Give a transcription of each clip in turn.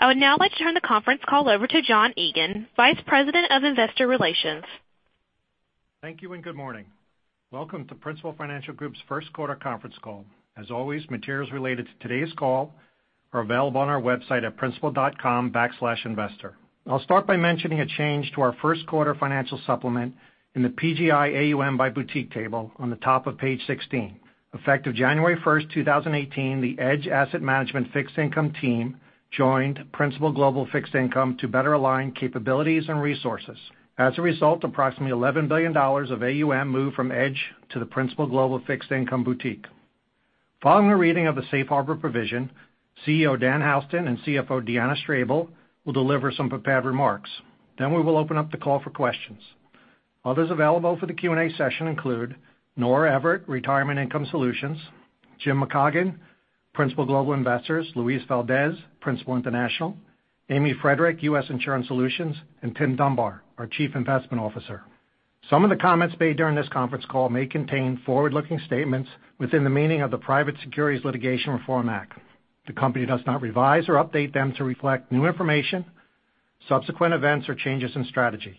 I would now like to turn the conference call over to John Egan, Vice President of Investor Relations. Thank you. Good morning. Welcome to Principal Financial Group's first quarter conference call. As always, materials related to today's call are available on our website at principal.com/investor. I'll start by mentioning a change to our first quarter financial supplement in the PGI AUM by Boutique table on the top of page 16. Effective January 1st, 2018, the Edge Asset Management Fixed Income team joined Principal Global Fixed Income to better align capabilities and resources. As a result, approximately $11 billion of AUM moved from Edge to the Principal Global Fixed Income Boutique. Following the reading of the Safe Harbor provision, CEO Dan Houston and CFO Deanna Strable will deliver some prepared remarks. We will open up the call for questions. Others available for the Q&A session include Nora Everett, Retirement and Income Solutions, Jim McCaughan, Principal Global Investors, Luis Valdés, Principal International, Amy Friedrich, U.S. Insurance Solutions, and Tim Dunbar, our Chief Investment Officer. Some of the comments made during this conference call may contain forward-looking statements within the meaning of the Private Securities Litigation Reform Act. The company does not revise or update them to reflect new information, subsequent events, or changes in strategy.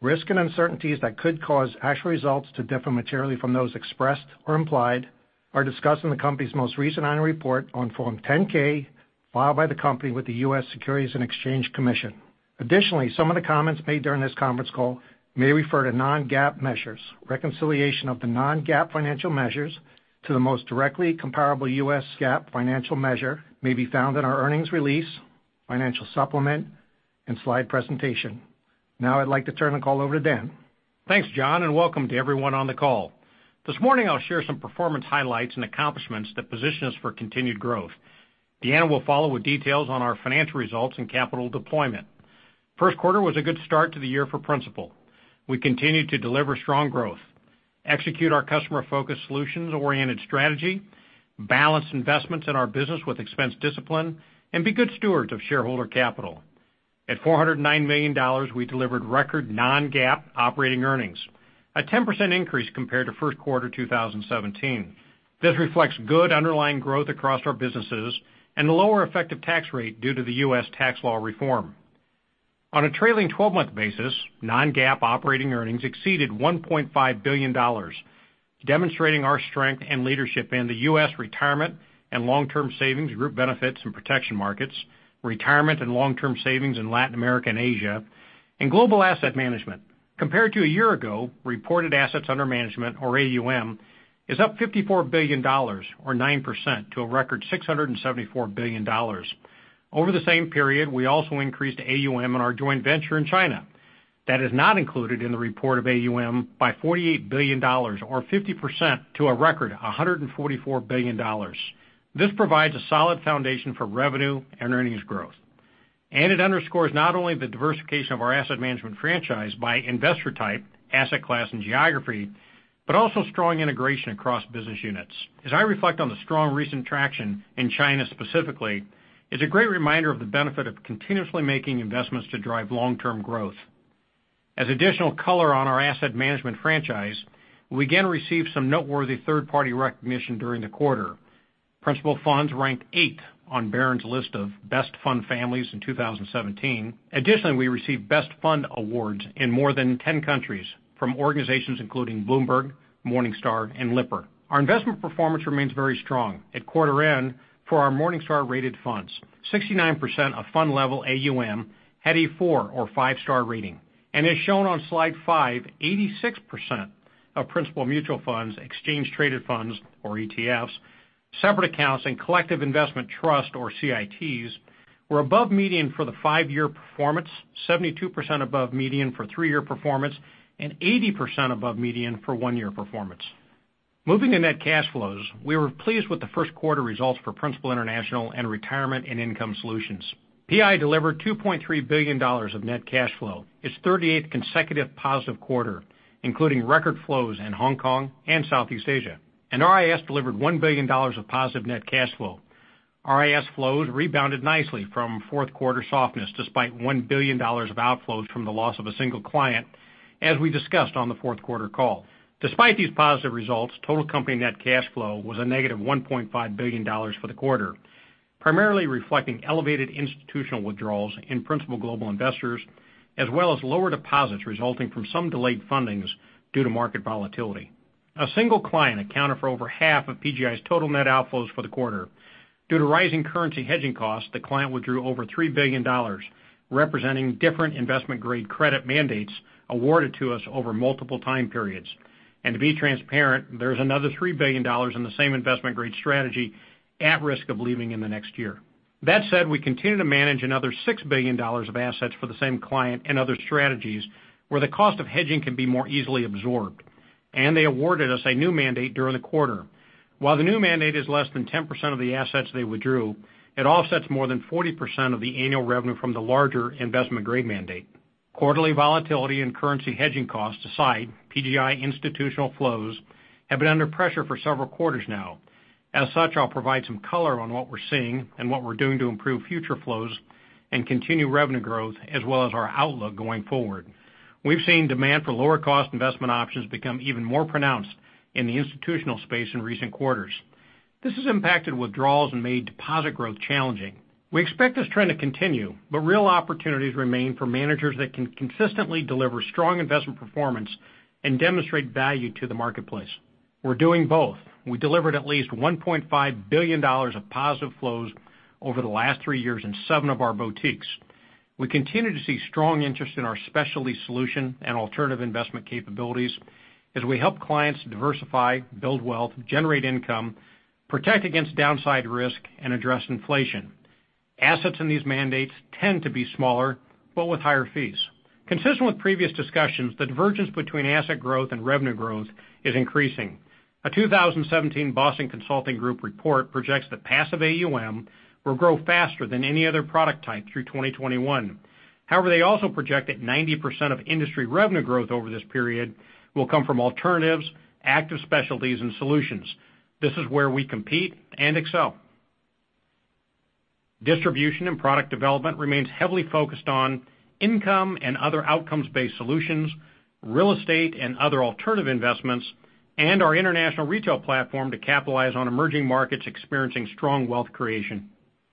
Risk and uncertainties that could cause actual results to differ materially from those expressed or implied are discussed in the company's most recent annual report on Form 10-K filed by the company with the U.S. Securities and Exchange Commission. Additionally, some of the comments made during this conference call may refer to non-GAAP measures. Reconciliation of the non-GAAP financial measures to the most directly comparable U.S. GAAP financial measure may be found in our earnings release, financial supplement, and slide presentation. I'd like to turn the call over to Dan. Thanks, John, and welcome to everyone on the call. This morning I'll share some performance highlights and accomplishments that position us for continued growth. Deanna will follow with details on our financial results and capital deployment. First quarter was a good start to the year for Principal. We continued to deliver strong growth, execute our customer-focused solutions-oriented strategy, balance investments in our business with expense discipline, and be good stewards of shareholder capital. At $409 million, we delivered record non-GAAP operating earnings, a 10% increase compared to first quarter 2017. This reflects good underlying growth across our businesses and a lower effective tax rate due to the U.S. tax law reform. On a trailing 12-month basis, non-GAAP operating earnings exceeded $1.5 billion, demonstrating our strength and leadership in the U.S. retirement and long-term savings, group benefits and protection markets, retirement and long-term savings in Latin America and Asia, and global asset management. Compared to a year ago, reported assets under management, or AUM, is up $54 billion, or 9%, to a record $674 billion. Over the same period, we also increased AUM in our joint venture in China. That is not included in the report of AUM by $48 billion, or 50%, to a record $144 billion. This provides a solid foundation for revenue and earnings growth, it underscores not only the diversification of our asset management franchise by investor type, asset class, and geography, but also strong integration across business units. As I reflect on the strong recent traction in China specifically, it's a great reminder of the benefit of continuously making investments to drive long-term growth. As additional color on our asset management franchise, we again received some noteworthy third-party recognition during the quarter. Principal Funds ranked eighth on Barron's list of Best Fund Families in 2017. Additionally, we received Best Fund awards in more than 10 countries from organizations including Bloomberg, Morningstar, and Lipper. Our investment performance remains very strong. At quarter end, for our Morningstar rated funds, 69% of fund level AUM had a four or five-star rating. As shown on slide five, 86% of Principal mutual funds, exchange traded funds, or ETFs, separate accounts, and Collective Investment Trusts, or CITs, were above median for the five-year performance, 72% above median for three-year performance, and 80% above median for one-year performance. Moving to net cash flows, we were pleased with the first quarter results for Principal International and Retirement and Income Solutions. PI delivered $2.3 billion of net cash flow, its 38th consecutive positive quarter, including record flows in Hong Kong and Southeast Asia. RIS delivered $1 billion of positive net cash flow. RIS flows rebounded nicely from fourth quarter softness despite $1 billion of outflows from the loss of a single client, as we discussed on the fourth quarter call. Despite these positive results, total company net cash flow was a negative $1.5 billion for the quarter, primarily reflecting elevated institutional withdrawals in Principal Global Investors, as well as lower deposits resulting from some delayed fundings due to market volatility. A single client accounted for over half of PGI's total net outflows for the quarter. Due to rising currency hedging costs, the client withdrew over $3 billion, representing different investment-grade credit mandates awarded to us over multiple time periods. To be transparent, there's another $3 billion in the same investment-grade strategy at risk of leaving in the next year. That said, we continue to manage another $6 billion of assets for the same client in other strategies where the cost of hedging can be more easily absorbed, and they awarded us a new mandate during the quarter. While the new mandate is less than 10% of the assets they withdrew, it offsets more than 40% of the annual revenue from the larger investment-grade mandate. Quarterly volatility and currency hedging costs aside, PGI institutional flows have been under pressure for several quarters now. I'll provide some color on what we're seeing and what we're doing to improve future flows and continue revenue growth as well as our outlook going forward. We've seen demand for lower cost investment options become even more pronounced in the institutional space in recent quarters. This has impacted withdrawals and made deposit growth challenging. We expect this trend to continue, but real opportunities remain for managers that can consistently deliver strong investment performance and demonstrate value to the marketplace. We're doing both. We delivered at least $1.5 billion of positive flows over the last three years in seven of our boutiques. We continue to see strong interest in our specialty solution and alternative investment capabilities as we help clients diversify, build wealth, generate income, protect against downside risk, and address inflation. Assets in these mandates tend to be smaller, but with higher fees. Consistent with previous discussions, the divergence between asset growth and revenue growth is increasing. A 2017 Boston Consulting Group report projects that passive AUM will grow faster than any other product type through 2021. They also project that 90% of industry revenue growth over this period will come from alternatives, active specialties and solutions. This is where we compete and excel. Distribution and product development remains heavily focused on income and other outcomes-based solutions, real estate and other alternative investments, and our international retail platform to capitalize on emerging markets experiencing strong wealth creation.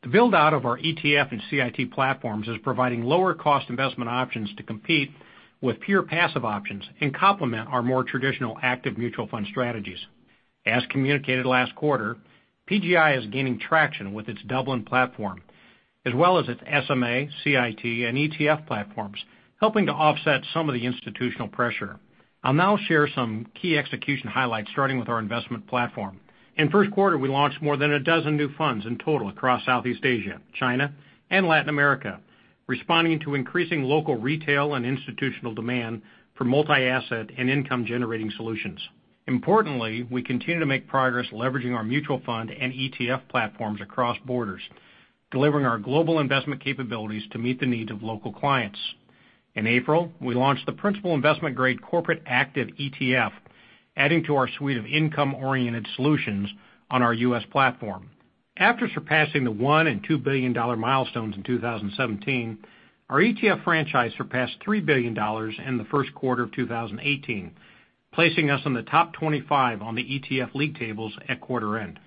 The build-out of our ETF and CIT platforms is providing lower-cost investment options to compete with pure passive options and complement our more traditional active mutual fund strategies. As communicated last quarter, PGI is gaining traction with its Dublin platform, as well as its SMA, CIT, and ETF platforms, helping to offset some of the institutional pressure. I'll now share some key execution highlights, starting with our investment platform. In the first quarter, we launched more than a dozen new funds in total across Southeast Asia, China, and Latin America, responding to increasing local, retail, and institutional demand for multi-asset and income-generating solutions. Importantly, we continue to make progress leveraging our mutual fund and ETF platforms across borders, delivering our global investment capabilities to meet the needs of local clients. In April, we launched the Principal Investment Grade Corporate Active ETF, adding to our suite of income-oriented solutions on our U.S. platform. After surpassing the $1 billion and $2 billion milestones in 2017, our ETF franchise surpassed $3 billion in the first quarter of 2018, placing us in the top 25 on the ETF league tables at quarter end.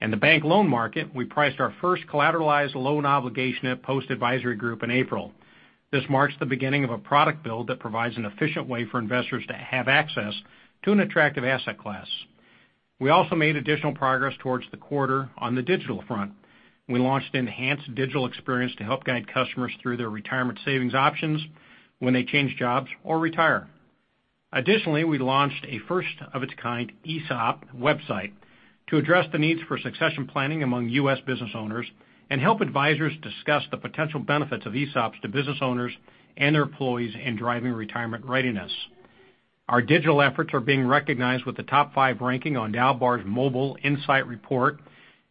In the bank loan market, we priced our first collateralized loan obligation at Post Advisory Group in April. This marks the beginning of a product build that provides an efficient way for investors to have access to an attractive asset class. We also made additional progress towards the quarter on the digital front. We launched enhanced digital experience to help guide customers through their retirement savings options when they change jobs or retire. Additionally, we launched a first-of-its-kind ESOP website to address the needs for succession planning among U.S. business owners and help advisors discuss the potential benefits of ESOPs to business owners and their employees in driving retirement readiness. Our digital efforts are being recognized with a top five ranking on DALBAR's Mobile Insight Report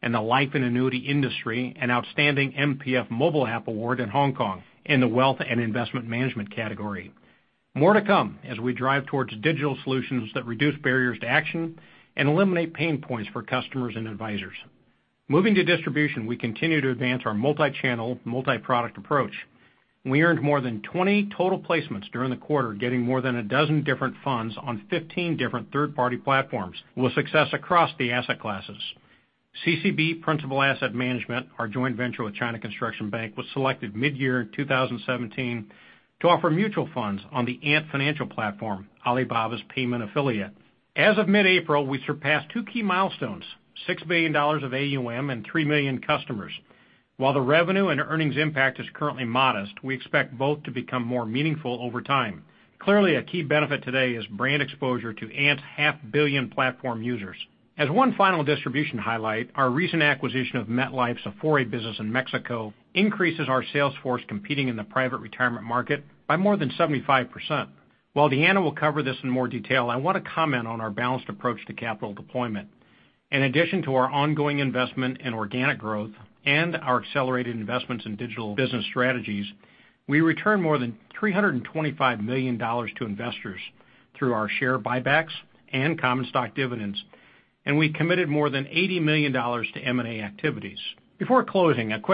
in the life and annuity industry, and Outstanding MPF Mobile App Award in Hong Kong in the wealth and investment management category. More to come as we drive towards digital solutions that reduce barriers to action and eliminate pain points for customers and advisors. We continue to advance our multi-channel, multi-product approach. We earned more than 20 total placements during the quarter, getting more than a dozen different funds on 15 different third-party platforms with success across the asset classes. CCB Principal Asset Management, our joint venture with China Construction Bank, was selected mid-year in 2017 to offer mutual funds on the Ant Financial platform, Alibaba's payment affiliate. As of mid-April, we surpassed two key milestones, $6 billion of AUM and three million customers. The revenue and earnings impact is currently modest, we expect both to become more meaningful over time. Clearly, a key benefit today is brand exposure to Ant's half-billion platform users. One final distribution highlight, our recent acquisition of MetLife's Afore business in Mexico increases our sales force competing in the private retirement market by more than 75%. Deanna will cover this in more detail, I want to comment on our balanced approach to capital deployment. In addition to our ongoing investment in organic growth and our accelerated investments in digital business strategies, we returned more than $325 million to investors through our share buybacks and common stock dividends, and we committed more than $80 million to M&A activities. A quick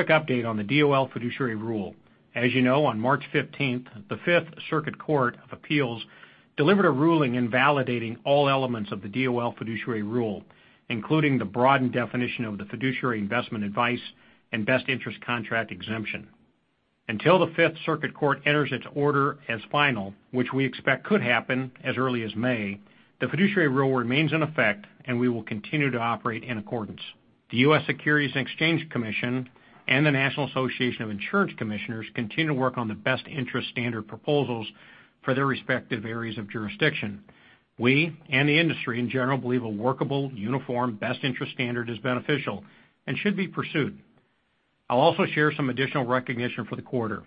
update on the DOL Fiduciary Rule. You know, on March 15th, the Fifth Circuit Court of Appeals delivered a ruling invalidating all elements of the DOL Fiduciary Rule, including the broadened definition of the fiduciary investment advice and Best Interest Contract Exemption. Until the Fifth Circuit Court enters its order as final, which we expect could happen as early as May, the Fiduciary Rule remains in effect, and we will continue to operate in accordance. The U.S. Securities and Exchange Commission and the National Association of Insurance Commissioners continue to work on the Best Interest Standard proposals for their respective areas of jurisdiction. We and the industry in general believe a workable, uniform Best Interest Standard is beneficial and should be pursued. I'll also share some additional recognition for the quarter.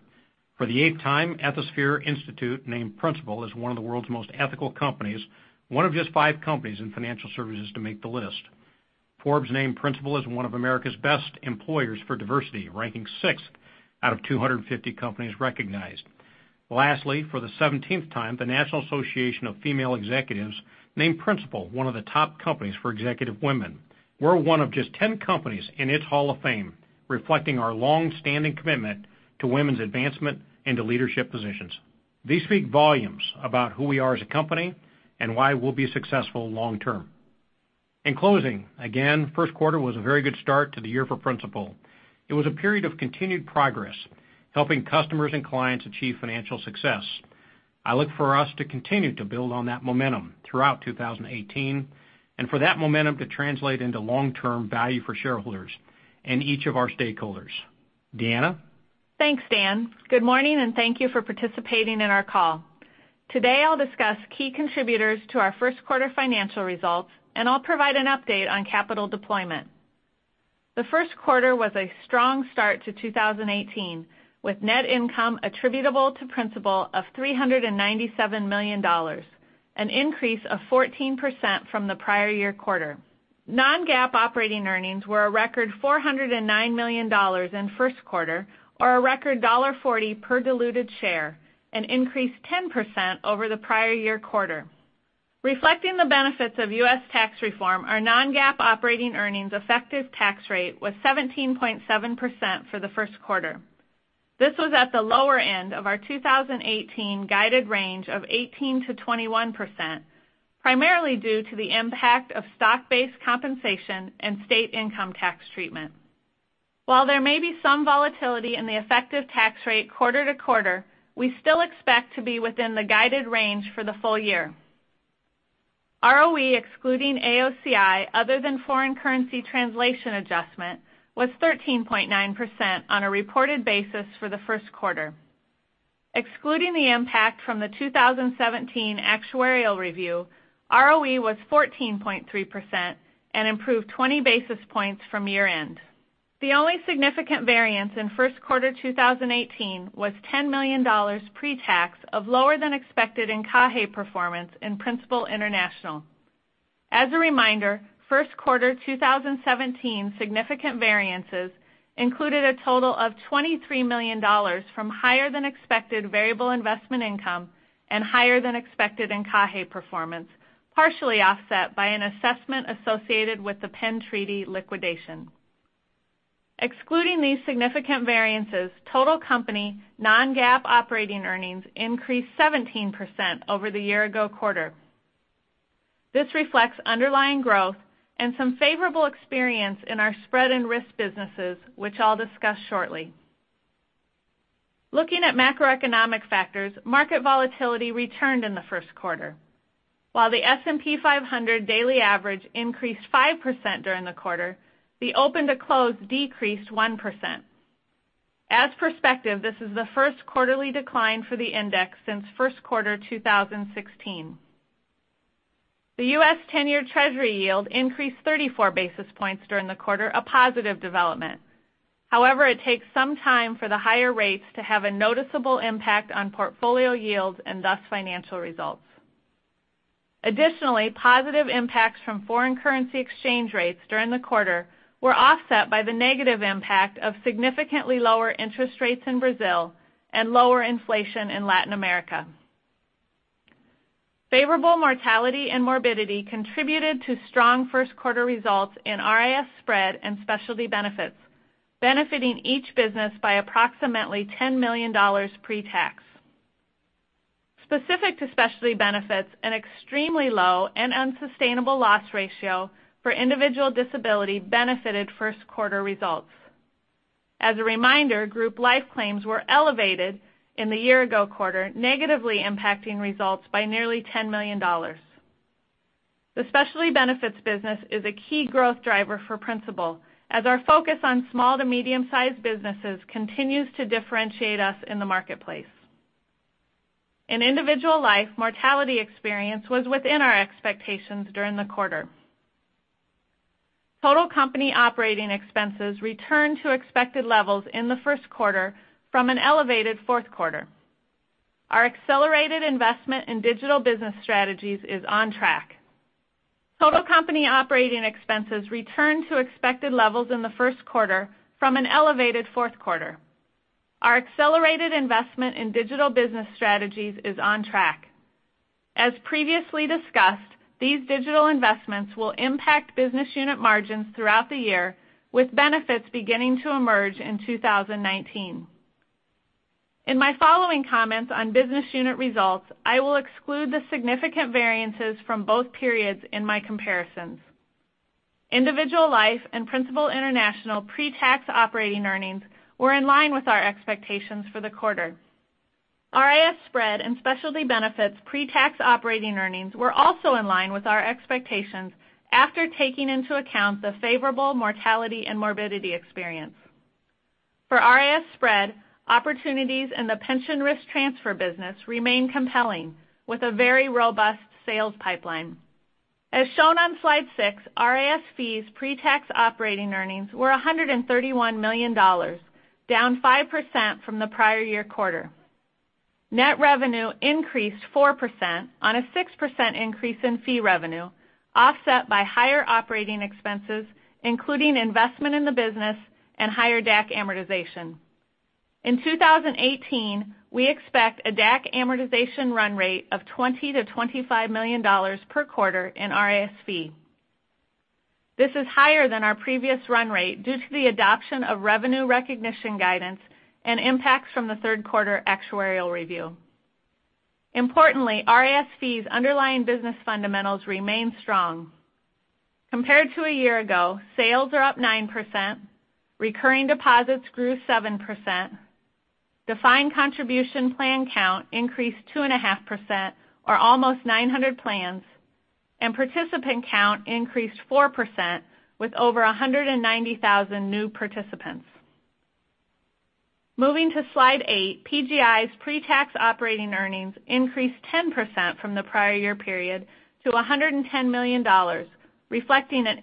For the eighth time, Ethisphere named Principal as one of the world's most ethical companies, one of just five companies in financial services to make the list. Forbes named Principal as one of America's Best Employers for Diversity, ranking sixth out of 250 companies recognized. Lastly, for the 17th time, the National Association for Female Executives named Principal one of the top companies for executive women. We're one of just 10 companies in its Hall of Fame, reflecting our longstanding commitment to women's advancement into leadership positions. These speak volumes about who we are as a company and why we'll be successful long term. In closing, again, first quarter was a very good start to the year for Principal. It was a period of continued progress, helping customers and clients achieve financial success. I look for us to continue to build on that momentum throughout 2018, and for that momentum to translate into long-term value for shareholders and each of our stakeholders. Deanna? Thanks, Dan. Good morning, and thank you for participating in our call. Today, I'll discuss key contributors to our first quarter financial results, and I'll provide an update on capital deployment. The first quarter was a strong start to 2018, with net income attributable to Principal of $397 million, an increase of 14% from the prior year quarter. Non-GAAP operating earnings were a record $409 million in first quarter, or a record $1.40 per diluted share, an increase 10% over the prior year quarter. Reflecting the benefits of U.S. tax reform, our non-GAAP operating earnings effective tax rate was 17.7% for the first quarter. This was at the lower end of our 2018 guided range of 18%-21%, primarily due to the impact of stock-based compensation and state income tax treatment. While there may be some volatility in the effective tax rate quarter-to-quarter, we still expect to be within the guided range for the full year. ROE excluding AOCI, other than foreign currency translation adjustment, was 13.9% on a reported basis for the first quarter. Excluding the impact from the 2017 actuarial review, ROE was 14.3% and improved 20 basis points from year-end. The only significant variance in first quarter 2018 was $10 million pre-tax of lower than expected encaje performance in Principal International. As a reminder, first quarter 2017 significant variances included a total of $23 million from higher than expected variable investment income and higher than expected encaje performance, partially offset by an assessment associated with the Penn Treaty liquidation. Excluding these significant variances, total company non-GAAP operating earnings increased 17% over the year-ago quarter. This reflects underlying growth and some favorable experience in our spread and risk businesses, which I'll discuss shortly. Looking at macroeconomic factors, market volatility returned in the first quarter. While the S&P 500 daily average increased 5% during the quarter, the open to close decreased 1%. As prospective, this is the first quarterly decline for the index since first quarter 2016. The U.S. 10-year Treasury yield increased 34 basis points during the quarter, a positive development. However, it takes some time for the higher rates to have a noticeable impact on portfolio yields and thus financial results. Additionally, positive impacts from foreign currency exchange rates during the quarter were offset by the negative impact of significantly lower interest rates in Brazil and lower inflation in Latin America. Favorable mortality and morbidity contributed to strong first quarter results in RIS Spread and Specialty Benefits, benefiting each business by approximately $10 million pre-tax. Specific to Specialty Benefits, an extremely low and unsustainable loss ratio for individual disability benefited first quarter results. As a reminder, group life claims were elevated in the year ago quarter, negatively impacting results by nearly $10 million. The Specialty Benefits business is a key growth driver for Principal, as our focus on small to medium-sized businesses continues to differentiate us in the marketplace. In Individual Life, mortality experience was within our expectations during the quarter. Total company operating expenses returned to expected levels in the first quarter from an elevated fourth quarter. Our accelerated investment in digital business strategies is on track. Our accelerated investment in digital business strategies is on track. As previously discussed, these digital investments will impact business unit margins throughout the year, with benefits beginning to emerge in 2019. In my following comments on business unit results, I will exclude the significant variances from both periods in my comparisons. Individual Life and Principal International pre-tax operating earnings were in line with our expectations for the quarter. RIS Spread and Specialty Benefits pre-tax operating earnings were also in line with our expectations after taking into account the favorable mortality and morbidity experience. For RIS Spread, opportunities in the pension risk transfer business remain compelling with a very robust sales pipeline. As shown on slide six, RIS Fee's pre-tax operating earnings were $131 million, down 5% from the prior year quarter. Net revenue increased 4% on a 6% increase in fee revenue, offset by higher operating expenses, including investment in the business and higher DAC amortization. In 2018, we expect a DAC amortization run rate of $20 million to $25 million per quarter in RIS Fee. This is higher than our previous run rate due to the adoption of revenue recognition guidance and impacts from the third quarter actuarial review. Importantly, RIS Fee's underlying business fundamentals remain strong. Compared to a year ago, sales are up 9%, recurring deposits grew 7%, defined contribution plan count increased 2.5%, or almost 900 plans, and participant count increased 4% with over 190,000 new participants. Moving to Slide 8, PGI's pre-tax operating earnings increased 10% from the prior year period to $110 million, reflecting an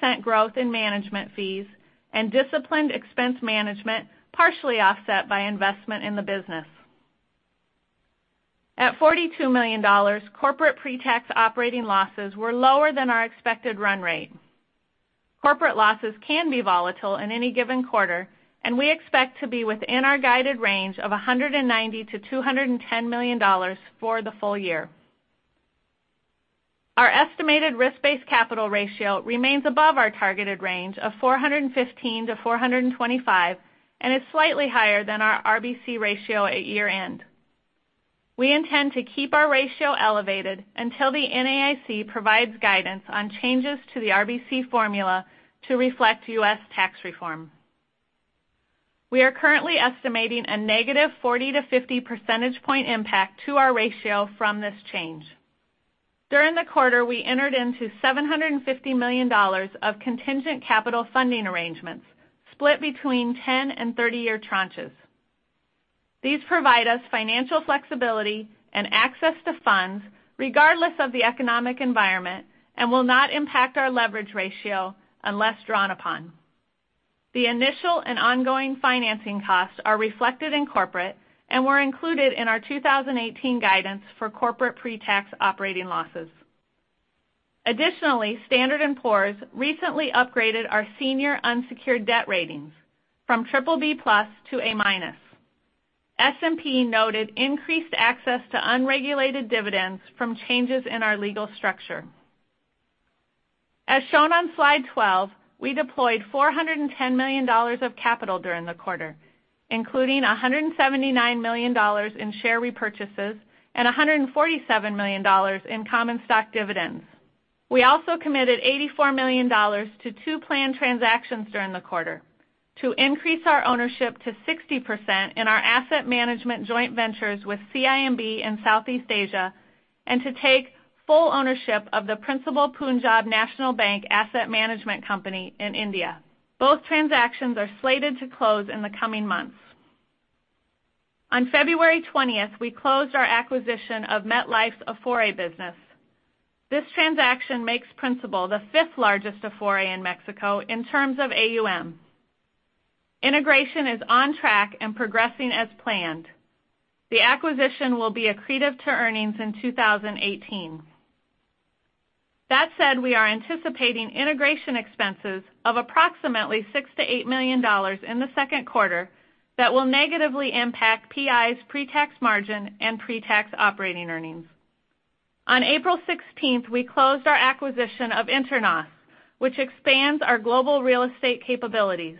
8% growth in management fees and disciplined expense management, partially offset by investment in the business. At $42 million, corporate pre-tax operating losses were lower than our expected run rate. Corporate losses can be volatile in any given quarter, and we expect to be within our guided range of $190 million-$210 million for the full year. Our estimated risk-based capital ratio remains above our targeted range of 415-425 and is slightly higher than our RBC ratio at year-end. We intend to keep our ratio elevated until the NAIC provides guidance on changes to the RBC formula to reflect U.S. tax reform. We are currently estimating a negative 40 to 50 percentage point impact to our ratio from this change. During the quarter, we entered into $750 million of contingent capital funding arrangements, split between 10-year and 30-year tranches. These provide us financial flexibility and access to funds regardless of the economic environment and will not impact our leverage ratio unless drawn upon. The initial and ongoing financing costs are reflected in corporate and were included in our 2018 guidance for corporate pre-tax operating losses. Additionally, Standard & Poor's recently upgraded our senior unsecured debt ratings from BBB+ to A-. S&P noted increased access to unregulated dividends from changes in our legal structure. As shown on Slide 12, we deployed $410 million of capital during the quarter, including $179 million in share repurchases and $147 million in common stock dividends. We also committed $84 million to two plan transactions during the quarter to increase our ownership to 60% in our asset management joint ventures with CIMB in Southeast Asia, and to take full ownership of the Principal Punjab National Bank asset management company in India. Both transactions are slated to close in the coming months. On February 20th, we closed our acquisition of MetLife's Afore business. This transaction makes Principal the fifth largest Afore in Mexico in terms of AUM. Integration is on track and progressing as planned. The acquisition will be accretive to earnings in 2018. That said, we are anticipating integration expenses of approximately $6 million-$8 million in the second quarter that will negatively impact PI's pre-tax margin and pre-tax operating earnings. On April 16th, we closed our acquisition of Internos, which expands our global real estate capabilities.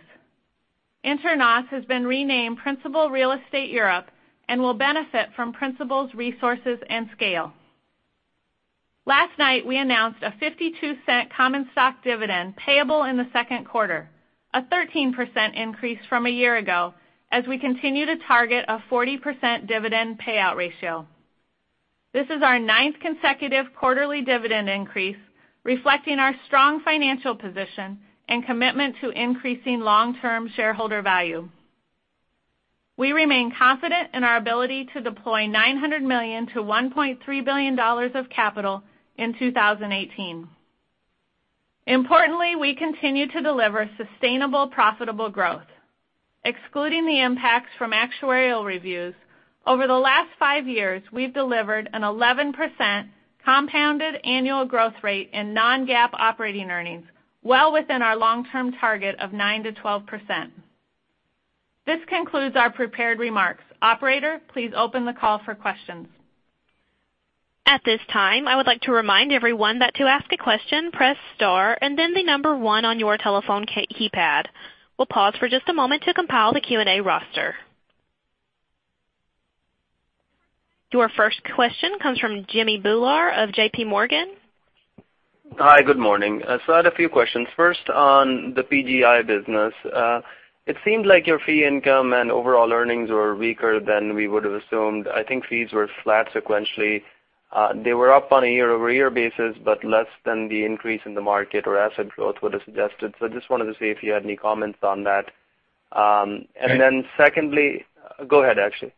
Internos has been renamed Principal Real Estate Europe and will benefit from Principal's resources and scale. Last night, we announced a $0.52 common stock dividend payable in the second quarter, a 13% increase from a year ago, as we continue to target a 40% dividend payout ratio. This is our ninth consecutive quarterly dividend increase, reflecting our strong financial position and commitment to increasing long-term shareholder value. We remain confident in our ability to deploy $900 million to $1.3 billion of capital in 2018. Importantly, we continue to deliver sustainable, profitable growth. Excluding the impacts from actuarial reviews, over the last five years, we've delivered an 11% compounded annual growth rate in non-GAAP operating earnings, well within our long-term target of 9%-12%. This concludes our prepared remarks. Operator, please open the call for questions. At this time, I would like to remind everyone that to ask a question, press star and then the number one on your telephone keypad. We'll pause for just a moment to compile the Q&A roster. Your first question comes from Jamminder Bhullar of JPMorgan. Hi. Good morning. I had a few questions. First, on the PGI business. It seemed like your fee income and overall earnings were weaker than we would have assumed. I think fees were flat sequentially. They were up on a year-over-year basis, but less than the increase in the market or asset growth would have suggested. Just wanted to see if you had any comments on that. Secondly Go ahead, actually.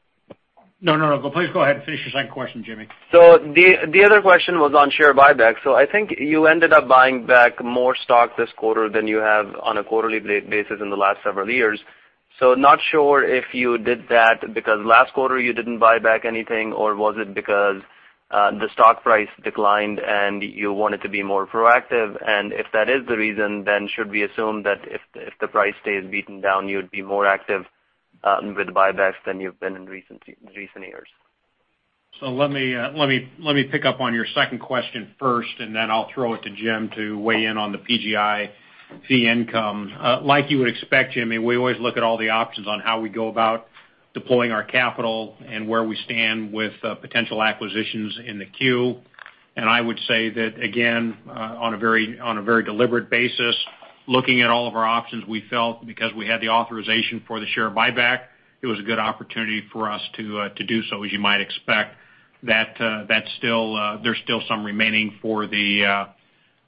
No, please go ahead and finish your second question, Jimmy. The other question was on share buybacks. I think you ended up buying back more stock this quarter than you have on a quarterly basis in the last several years. Not sure if you did that because last quarter you didn't buy back anything, or was it because the stock price declined and you wanted to be more proactive? If that is the reason, then should we assume that if the price stays beaten down, you'd be more active with buybacks than you've been in recent years? Let me pick up on your second question first, I'll throw it to Jim to weigh in on the PGI fee income. Like you would expect, Jimmy, we always look at all the options on how we go about deploying our capital and where we stand with potential acquisitions in the queue. I would say that, again, on a very deliberate basis, looking at all of our options, we felt because we had the authorization for the share buyback, it was a good opportunity for us to do so, as you might expect. There's still some remaining for the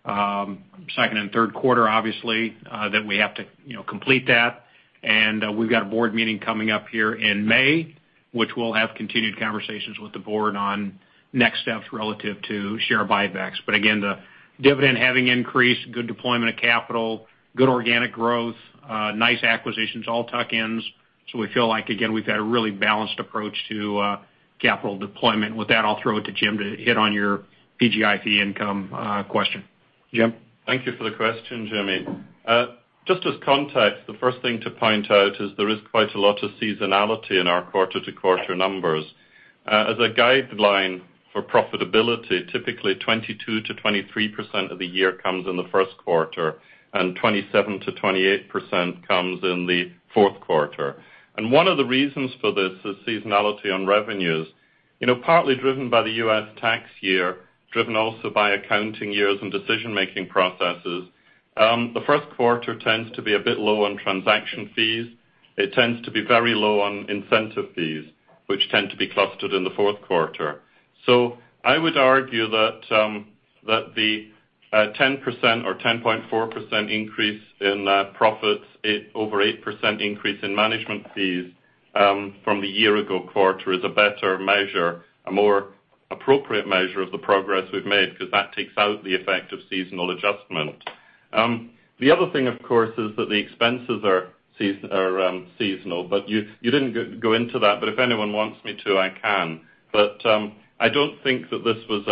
second and third quarter, obviously, that we have to complete that. We've got a board meeting coming up here in May, which we'll have continued conversations with the board on next steps relative to share buybacks. Again, the dividend having increased, good deployment of capital, good organic growth, nice acquisitions, all tuck-ins. We feel like, again, we've got a really balanced approach to capital deployment. With that, I'll throw it to Jim to hit on your PGI income question. Jim? Thank you for the question, Jimmy. Just as context, the first thing to point out is there is quite a lot of seasonality in our quarter-to-quarter numbers. As a guideline for profitability, typically 22%-23% of the year comes in the first quarter, and 27%-28% comes in the fourth quarter. One of the reasons for this is seasonality on revenues. Partly driven by the U.S. tax year, driven also by accounting years and decision-making processes, the first quarter tends to be a bit low on transaction fees. It tends to be very low on incentive fees, which tend to be clustered in the fourth quarter. I would argue that the 10% or 10.4% increase in profits, over 8% increase in management fees from the year-ago quarter is a better measure, a more appropriate measure of the progress we've made because that takes out the effect of seasonal adjustment. The other thing, of course, is that the expenses are seasonal, you didn't go into that. If anyone wants me to, I can. I don't think that this was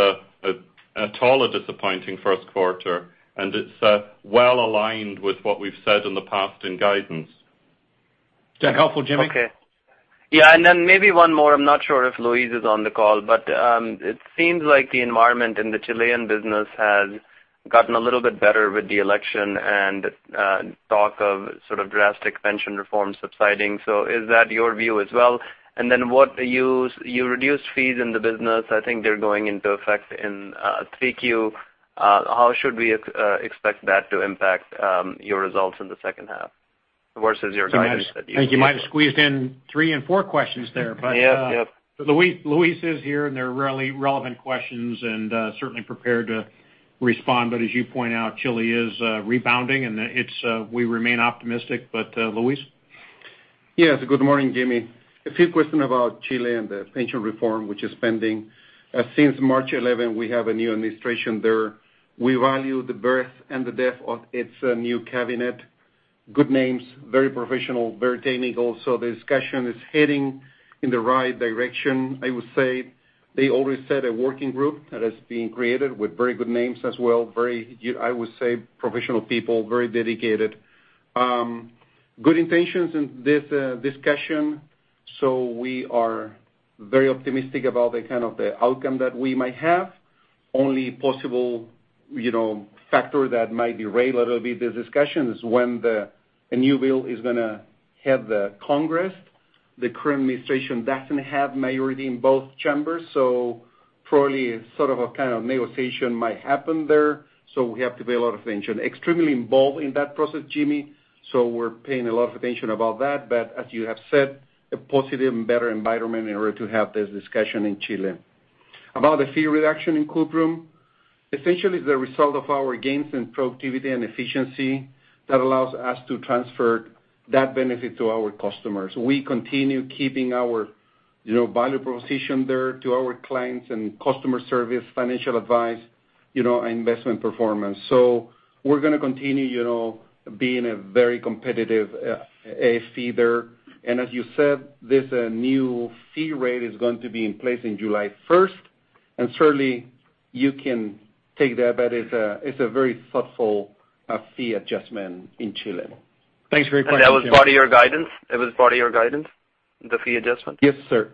at all a disappointing first quarter, and it's well-aligned with what we've said in the past in guidance. Is that helpful, Jimmy? Okay. Yeah, maybe one more. I'm not sure if Luis is on the call. It seems like the environment in the Chilean business has gotten a little bit better with the election and talk of drastic pension reform subsiding. Is that your view as well? You reduced fees in the business. I think they're going into effect in 3Q. How should we expect that to impact your results in the second half versus your guidance that you gave us? I think you might have squeezed in three and four questions there. Yeah. Luis is here. They're relevant questions, and certainly prepared to respond. As you point out, Chile is rebounding, and we remain optimistic, Luis? Yes. Good morning, Jimmy. A few questions about Chile and the pension reform, which is pending. Since March 11, we have a new administration there. We value the birth and the death of its new cabinet. Good names, very professional, very technical. The discussion is heading in the right direction, I would say. They already set a working group that is being created with very good names as well. Very, I would say, professional people, very dedicated. Good intentions in this discussion. We are very optimistic about the kind of outcome that we might have. Only possible factor that might derail a little bit this discussion is when the new bill is going to have the Congress. The current administration doesn't have majority in both chambers, probably a kind of negotiation might happen there. We have to pay a lot of attention. Extremely involved in that process, Jimmy. We're paying a lot of attention about that. As you have said, a positive and better environment in order to have this discussion in Chile. About the fee reduction in Cuprum, essentially is the result of our gains in productivity and efficiency that allows us to transfer that benefit to our customers. We continue keeping our value proposition there to our clients and customer service, financial advice, and investment performance. We're going to continue being a very competitive fee there. As you said, this new fee rate is going to be in place in July 1st. Certainly, you can take that bet it's a very thoughtful fee adjustment in Chile. Thanks for your question, Jimmy. That was part of your guidance? The fee adjustment? Yes, sir.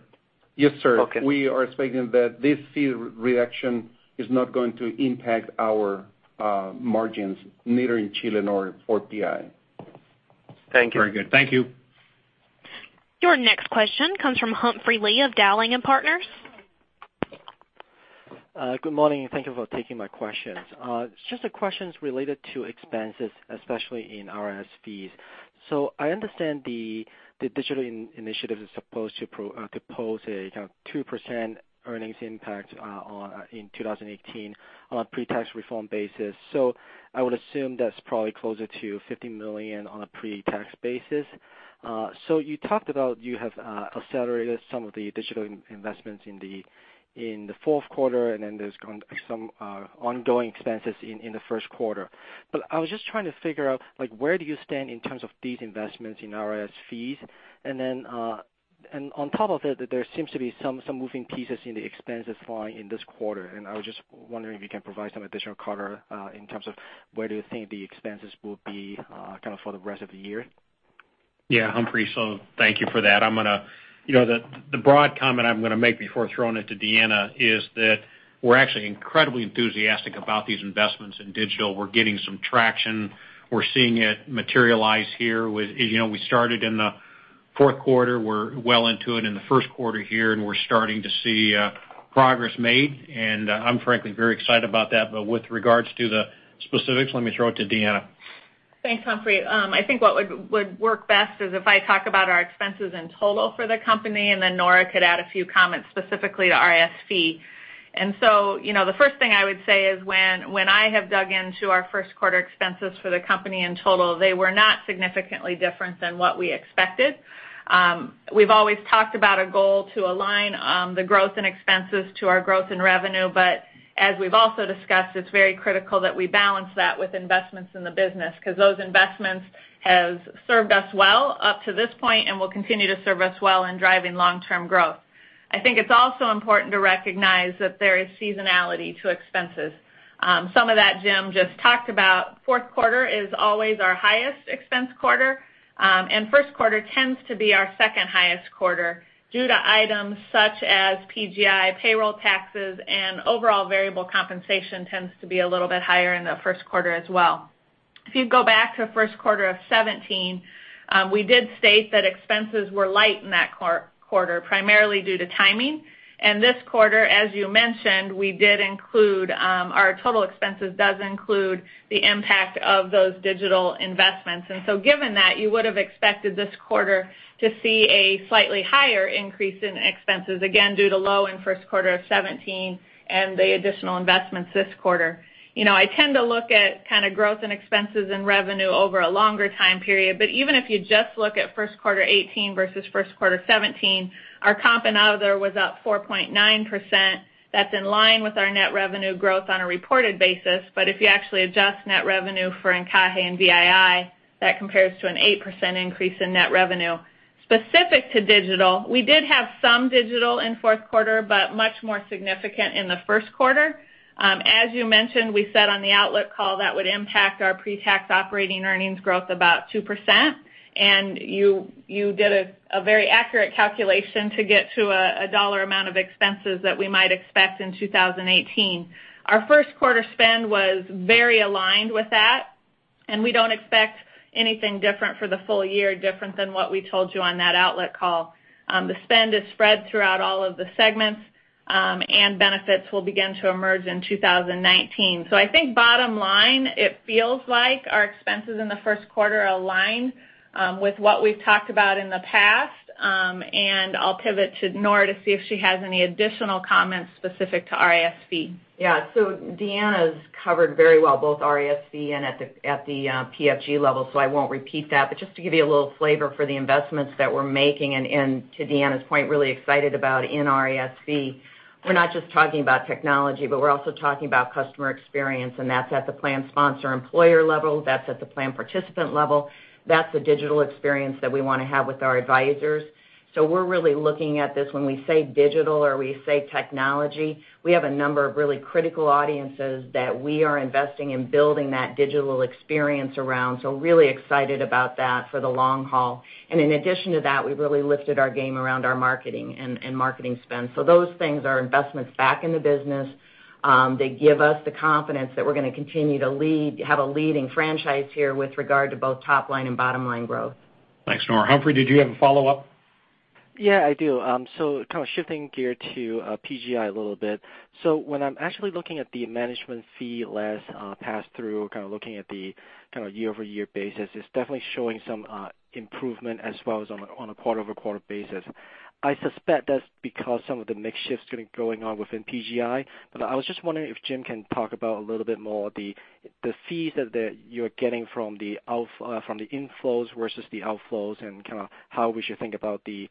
Okay. We are expecting that this fee reduction is not going to impact our margins, neither in Chile nor for PI. Thank you. Very good. Thank you. Your next question comes from Humphrey Lee of Dowling & Partners. Good morning, and thank you for taking my questions. Just a question related to expenses, especially in RIS fees. I understand the digital initiative is supposed to pose a 2% earnings impact in 2018 on a pre-tax reform basis. I would assume that's probably closer to $50 million on a pre-tax basis. You talked about you have accelerated some of the digital investments in the fourth quarter, then there's some ongoing expenses in the first quarter. I was just trying to figure out where do you stand in terms of these investments in RIS fees? On top of it, there seems to be some moving pieces in the expenses line in this quarter. I was just wondering if you can provide some additional color in terms of where do you think the expenses will be for the rest of the year? Yeah, Humphrey. Thank you for that. The broad comment I'm going to make before throwing it to Deanna is that we're actually incredibly enthusiastic about these investments in digital. We're getting some traction. We're seeing it materialize here. We started in the fourth quarter, we're well into it in the first quarter here, we're starting to see progress made, I'm frankly very excited about that. With regards to the specifics, let me throw it to Deanna. Thanks, Humphrey. I think what would work best is if I talk about our expenses in total for the company, then Nora could add a few comments specifically to RIS Fee. The first thing I would say is when I have dug into our first quarter expenses for the company in total, they were not significantly different than what we expected. We've always talked about a goal to align the growth and expenses to our growth in revenue. As we've also discussed, it's very critical that we balance that with investments in the business, because those investments have served us well up to this point and will continue to serve us well in driving long-term growth. I think it's also important to recognize that there is seasonality to expenses. Some of that Jim just talked about. Fourth quarter is always our highest expense quarter. First quarter tends to be our second-highest quarter due to items such as PGI, payroll taxes, and overall variable compensation tends to be a little bit higher in the first quarter as well. If you go back to the first quarter of 2017, we did state that expenses were light in that quarter, primarily due to timing. This quarter, as you mentioned, our total expenses do include the impact of those digital investments. Given that, you would have expected this quarter to see a slightly higher increase in expenses, again, due to low in first quarter of 2017 and the additional investments this quarter. I tend to look at growth and expenses and revenue over a longer time period. Even if you just look at first quarter 2018 versus first quarter 2017, our comp and other was up 4.9%. That's in line with our net revenue growth on a reported basis. If you actually adjust net revenue for encaje and [VII], that compares to an 8% increase in net revenue. Specific to digital, we did have some digital in fourth quarter, but much more significant in the first quarter. As you mentioned, we said on the outlook call that would impact our pre-tax operating earnings growth about 2%. You did a very accurate calculation to get to a dollar amount of expenses that we might expect in 2018. Our first quarter spend was very aligned with that, and we don't expect anything different for the full year, different than what we told you on that outlook call. The spend is spread throughout all of the segments, and benefits will begin to emerge in 2019. I think bottom line, it feels like our expenses in the first quarter align with what we've talked about in the past. I'll pivot to Nora to see if she has any additional comments specific to RIS Fee. Deanna's covered very well, both RIS Fee and at the PFG level, so I won't repeat that. Just to give you a little flavor for the investments that we're making, and to Deanna's point, really excited about in RIS Fee. We're not just talking about technology, but we're also talking about customer experience, and that's at the plan sponsor employer level, that's at the plan participant level. That's a digital experience that we want to have with our advisors. We're really looking at this when we say digital or we say technology, we have a number of really critical audiences that we are investing in building that digital experience around. Really excited about that for the long haul. In addition to that, we've really lifted our game around our marketing and marketing spend. Those things are investments back in the business. They give us the confidence that we're going to continue to have a leading franchise here with regard to both top line and bottom line growth. Thanks, Nora. Humphrey, did you have a follow-up? Yeah, I do. Shifting gear to PGI a little bit. When I'm actually looking at the management fee less pass through, looking at the year-over-year basis, it's definitely showing some improvement as well as on a quarter-over-quarter basis. I suspect that's because some of the mix shifts going on within PGI. I was just wondering if Jim can talk about a little bit more the fees that you're getting from the inflows versus the outflows and how we should think about the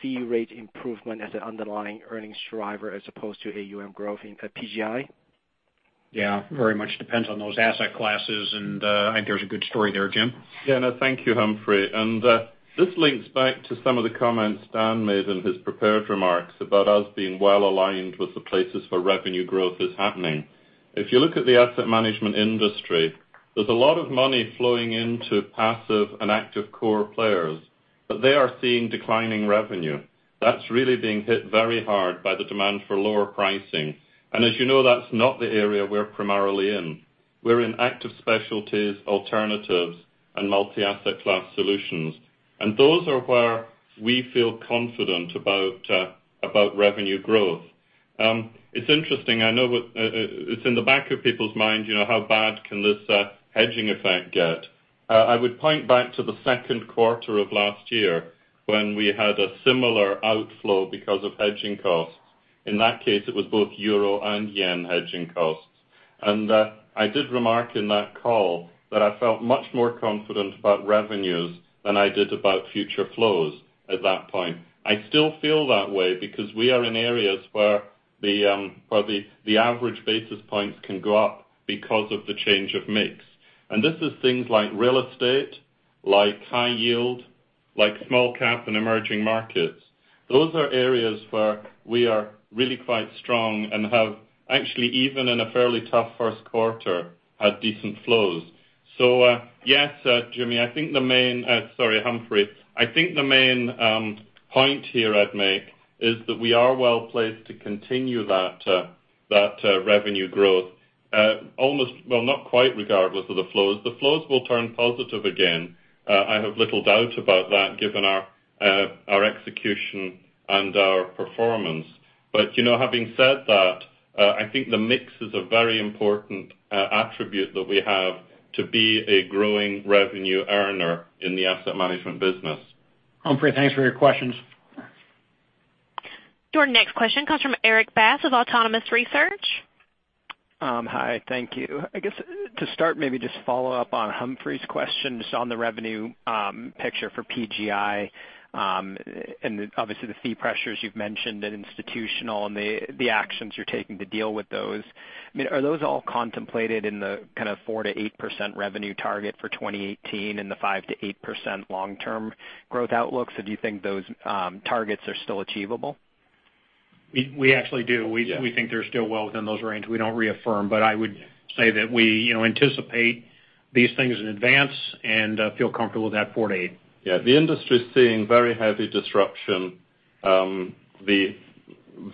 fee rate improvement as an underlying earnings driver as opposed to AUM growth in PGI. Yeah. Very much depends on those asset classes, and I think there's a good story there, Jim. Yeah. No, thank you, Humphrey. This links back to some of the comments Dan made in his prepared remarks about us being well aligned with the places where revenue growth is happening. If you look at the asset management industry, there's a lot of money flowing into passive and active core players, they are seeing declining revenue. That's really being hit very hard by the demand for lower pricing. As you know, that's not the area we're primarily in. We're in active specialties, alternatives, and multi-asset class solutions, those are where we feel confident about revenue growth. It's interesting, I know it's in the back of people's minds, how bad can this hedging effect get? I would point back to the second quarter of last year when we had a similar outflow because of hedging costs. In that case, it was both euro and yen hedging costs. I did remark in that call that I felt much more confident about revenues than I did about future flows at that point. I still feel that way because we are in areas where the average basis points can go up because of the change of mix. This is things like real estate, like high yield, like small cap and emerging markets. Those are areas where we are really quite strong and have actually, even in a fairly tough first quarter, had decent flows. Yes, Jimmy, I think the main Sorry, Humphrey. I think the main point here I'd make is that we are well-placed to continue that revenue growth almost Well, not quite regardless of the flows. The flows will turn positive again. I have little doubt about that given our execution and our performance. Having said that, I think the mix is a very important attribute that we have to be a growing revenue earner in the asset management business. Humphrey, thanks for your questions. Your next question comes from Erik Bass of Autonomous Research. Hi, thank you. I guess to start, maybe just follow up on Humphrey's question, just on the revenue picture for PGI, and obviously the fee pressures you've mentioned at institutional and the actions you're taking to deal with those. I mean, are those all contemplated in the kind of 4%-8% revenue target for 2018 and the 5%-8% long-term growth outlook? Do you think those targets are still achievable? We actually do. Yeah. We think they're still well within those range. We don't reaffirm, I would say that we anticipate these things in advance and feel comfortable with that 4%-8%. Yeah. The industry's seeing very heavy disruption. The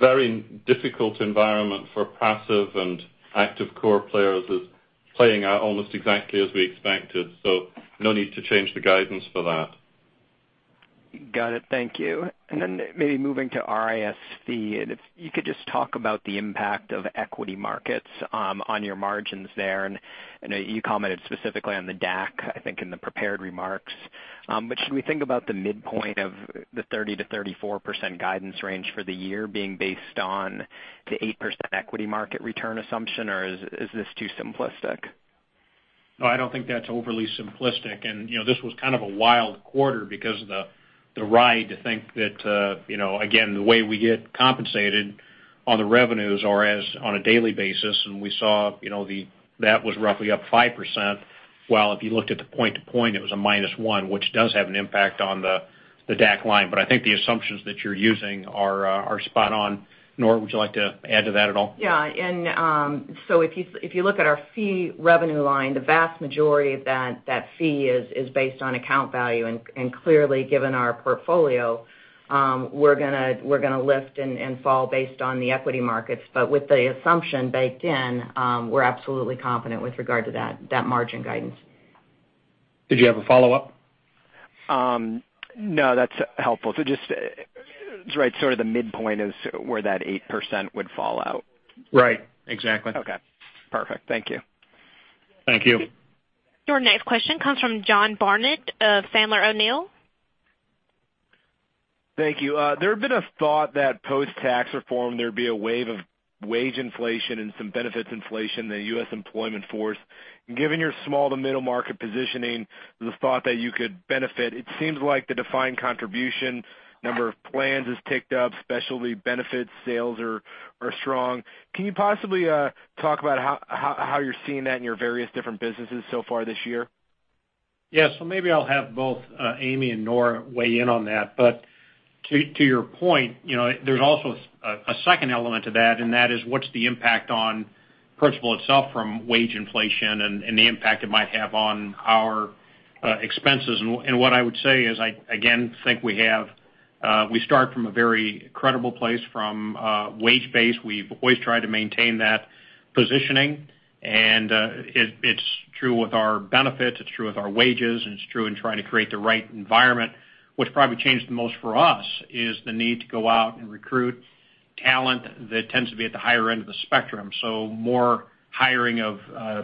very difficult environment for passive and active core players is playing out almost exactly as we expected, so no need to change the guidance for that. Got it. Thank you. Maybe moving to RIS, if you could just talk about the impact of equity markets on your margins there, I know you commented specifically on the DAC, I think, in the prepared remarks. Should we think about the midpoint of the 30%-34% guidance range for the year being based on the 8% equity market return assumption, or is this too simplistic? No, I don't think that's overly simplistic. This was kind of a wild quarter because of the ride to think that, again, the way we get compensated on the revenues are as on a daily basis, and we saw that was roughly up 5%. While if you looked at the point to point, it was a -1%, which does have an impact on the DAC line. I think the assumptions that you're using are spot on. Nora, would you like to add to that at all? Yeah. If you look at our fee revenue line, the vast majority of that fee is based on account value, clearly, given our portfolio, we're going to lift and fall based on the equity markets. With the assumption baked in, we're absolutely confident with regard to that margin guidance. Did you have a follow-up? No, that's helpful. Just sort of the midpoint is where that 8% would fall out. Right. Exactly. Okay. Perfect. Thank you. Thank you. Your next question comes from John Barnidge of Sandler O'Neill. Thank you. There had been a thought that post-tax reform, there'd be a wave of wage inflation and some benefits inflation in the U.S. employment force. Given your small to middle market positioning, the thought that you could benefit, it seems like the defined contribution number of plans has ticked up. Specialty Benefits sales are strong. Can you possibly talk about how you're seeing that in your various different businesses so far this year? Yeah. Maybe I'll have both Amy and Nora weigh in on that. To your point, there's also a second element to that, and that is what's the impact on Principal itself from wage inflation and the impact it might have on our expenses. What I would say is I, again, think we start from a very credible place from a wage base. We've always tried to maintain that positioning, and it's true with our benefits, it's true with our wages, and it's true in trying to create the right environment. What's probably changed the most for us is the need to go out and recruit talent that tends to be at the higher end of the spectrum. More hiring of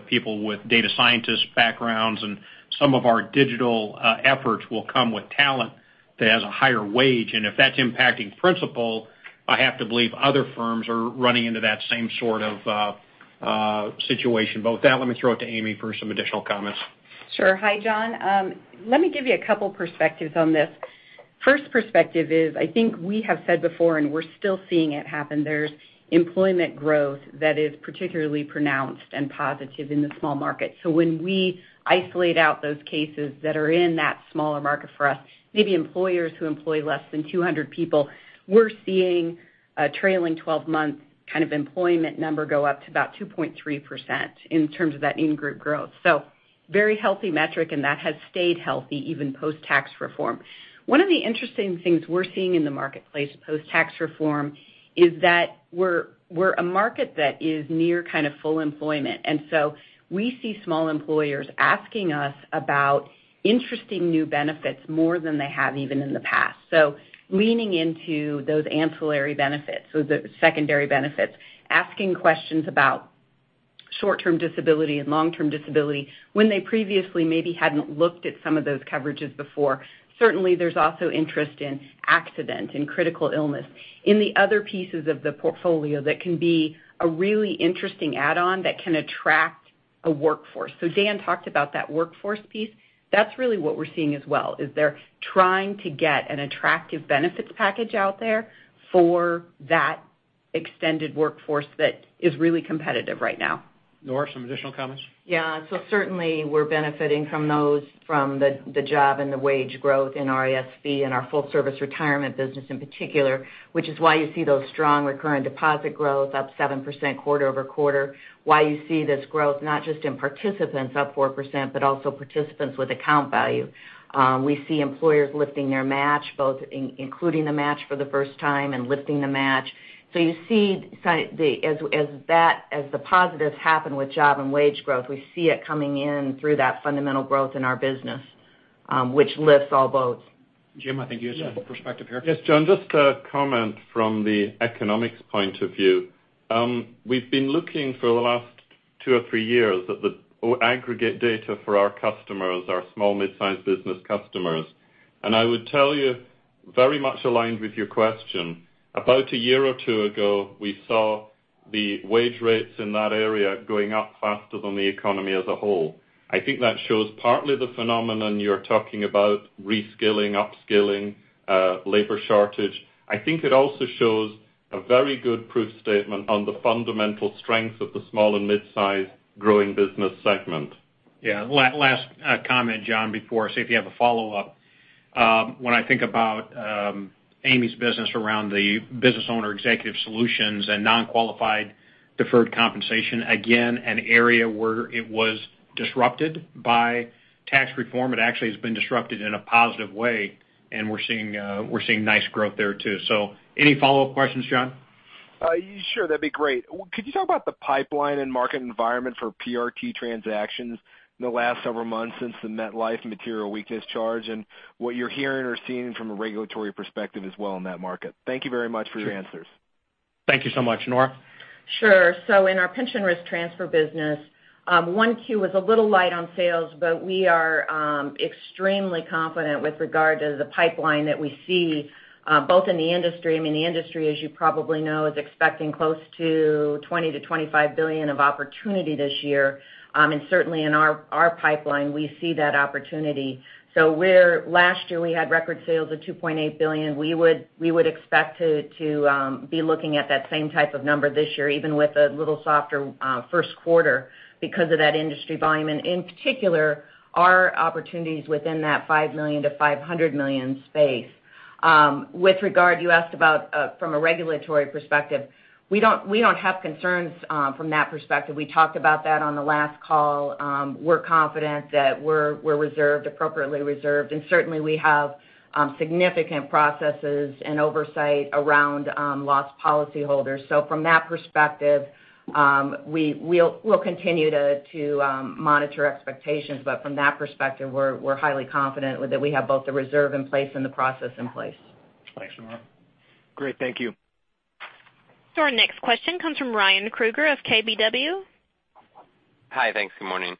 people with data scientist backgrounds, and some of our digital efforts will come with talent that has a higher wage. If that's impacting Principal, I have to believe other firms are running into that same sort of situation. With that, let me throw it to Amy for some additional comments. Sure. Hi, John. Let me give you a couple perspectives on this. First perspective is, I think we have said before, we're still seeing it happen, there's employment growth that is particularly pronounced and positive in the small market. When we isolate out those cases that are in that smaller market for us, maybe employers who employ less than 200 people, we're seeing a trailing 12-month kind of employment number go up to about 2.3% in terms of that in-group growth. Very healthy metric, that has stayed healthy even post-tax reform. One of the interesting things we're seeing in the marketplace post-tax reform is that we're a market that is near kind of full employment, we see small employers asking us about interesting new benefits more than they have even in the past. Leaning into those ancillary benefits, so the secondary benefits. Asking questions about short-term disability and long-term disability when they previously maybe hadn't looked at some of those coverages before. Certainly, there's also interest in accident and critical illness in the other pieces of the portfolio that can be a really interesting add-on that can attract a workforce. Dan talked about that workforce piece. That's really what we're seeing as well, is they're trying to get an attractive benefits package out there for that- Extended workforce that is really competitive right now. Nora, some additional comments? Yes. Certainly, we're benefiting from those, from the job and the wage growth in RESB and our full service retirement business in particular, which is why you see those strong recurring deposit growth up 7% quarter-over-quarter. Why you see this growth, not just in participants up 4%, but also participants with account value. We see employers lifting their match, both including the match for the first time and lifting the match. You see, as the positives happen with job and wage growth, we see it coming in through that fundamental growth in our business, which lifts all boats. Jim, I think you have some perspective here. Yes, John, just a comment from the economics point of view. We've been looking for the last two or three years at the aggregate data for our customers, our small mid-size business customers. I would tell you, very much aligned with your question, about a year or two ago, we saw the wage rates in that area going up faster than the economy as a whole. I think that shows partly the phenomenon you're talking about reskilling, upskilling, labor shortage. I think it also shows a very good proof statement on the fundamental strength of the small and mid-size growing business segment. Yeah. Last comment, John, before, see if you have a follow-up. When I think about Amy's business around the Business Owner Executive Solutions and non-qualified deferred compensation, again, an area where it was disrupted by tax reform. It actually has been disrupted in a positive way, and we're seeing nice growth there, too. Any follow-up questions, John? Sure, that'd be great. Could you talk about the pipeline and market environment for PRT transactions in the last several months since the MetLife material weakness charge and what you're hearing or seeing from a regulatory perspective as well in that market? Thank you very much for your answers. Thank you so much. Nora? Sure. In our pension risk transfer business, 1Q was a little light on sales, but we are extremely confident with regard to the pipeline that we see, both in the industry, I mean, the industry, as you probably know, is expecting close to $20 billion-$25 billion of opportunity this year. Certainly in our pipeline, we see that opportunity. Last year, we had record sales of $2.8 billion. We would expect to be looking at that same type of number this year, even with a little softer first quarter because of that industry volume and in particular, our opportunities within that $5 million-$500 million space. With regard, you asked about from a regulatory perspective, we don't have concerns from that perspective. We talked about that on the last call. We're confident that we're reserved, appropriately reserved, and certainly we have significant processes and oversight around lost policy holders. From that perspective, we'll continue to monitor expectations, from that perspective, we're highly confident that we have both the reserve in place and the process in place. Thanks, Nora. Great. Thank you. Our next question comes from Ryan Krueger of KBW. Hi. Thanks. Good morning.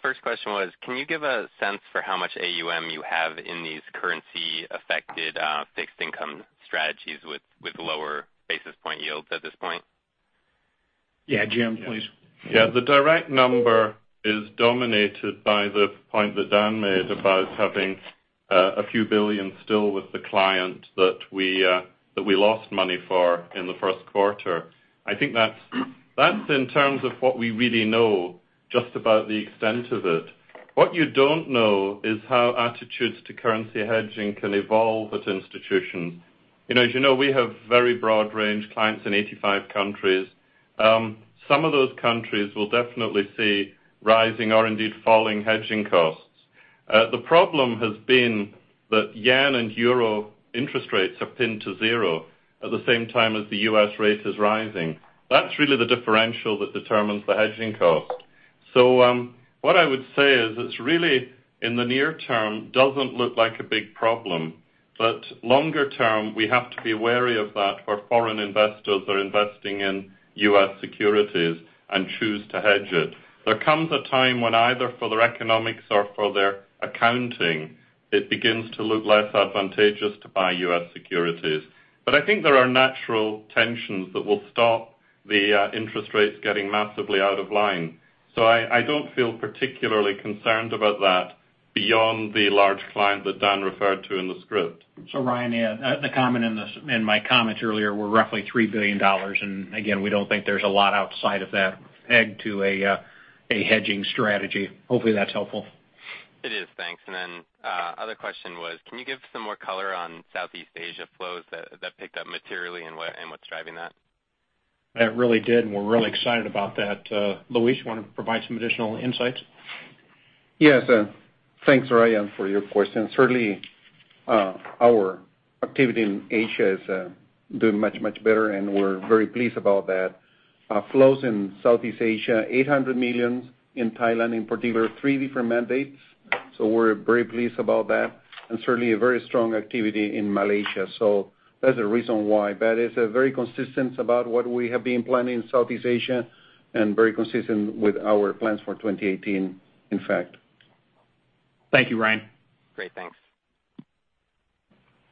First question was, can you give a sense for how much AUM you have in these currency-affected fixed income strategies with lower basis point yields at this point? Yeah. Jim, please. Yeah. The direct number is dominated by the point that Dan made about having a few billion still with the client that we lost money for in the first quarter. I think that's in terms of what we really know just about the extent of it. What you don't know is how attitudes to currency hedging can evolve at institutions. As you know, we have very broad range clients in 85 countries. Some of those countries will definitely see rising or indeed falling hedging costs. The problem has been that yen and euro interest rates are pinned to zero at the same time as the U.S. rate is rising. That's really the differential that determines the hedging cost. What I would say is it really, in the near term, doesn't look like a big problem, but longer term, we have to be wary of that where foreign investors are investing in U.S. securities and choose to hedge it. There comes a time when either for their economics or for their accounting, it begins to look less advantageous to buy U.S. securities. I think there are natural tensions that will stop the interest rates getting massively out of line. I don't feel particularly concerned about that beyond the large client that Dan referred to in the script. Ryan, yeah. The comment in my comments earlier were roughly $3 billion. Again, we don't think there's a lot outside of that peg to a hedging strategy. Hopefully, that's helpful. It is. Thanks. Other question was, can you give some more color on Southeast Asia flows that picked up materially and what's driving that? That really did, and we're really excited about that. Luis, you want to provide some additional insights? Yes. Thanks, Ryan, for your question. Certainly, our activity in Asia is doing much, much better, and we're very pleased about that. Flows in Southeast Asia, $800 million in Thailand in particular, three different mandates. We're very pleased about that. Certainly, a very strong activity in Malaysia. That is the reason why. That is very consistent about what we have been planning in Southeast Asia and very consistent with our plans for 2018, in fact. Thank you, Ryan. Great. Thanks.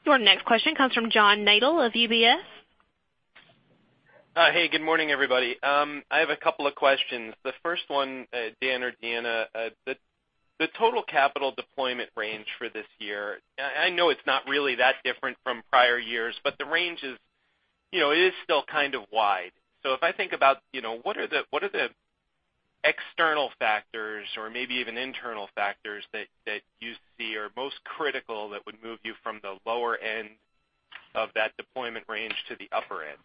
Your next question comes from John Nadel of UBS. Hey, good morning, everybody. I have a couple of questions. The first one, Dan or Deanna- The total capital deployment range for this year, I know it's not really that different from prior years, but the range is still kind of wide. If I think about it, what are the external factors or maybe even internal factors that you see are most critical that would move you from the lower end of that deployment range to the upper end?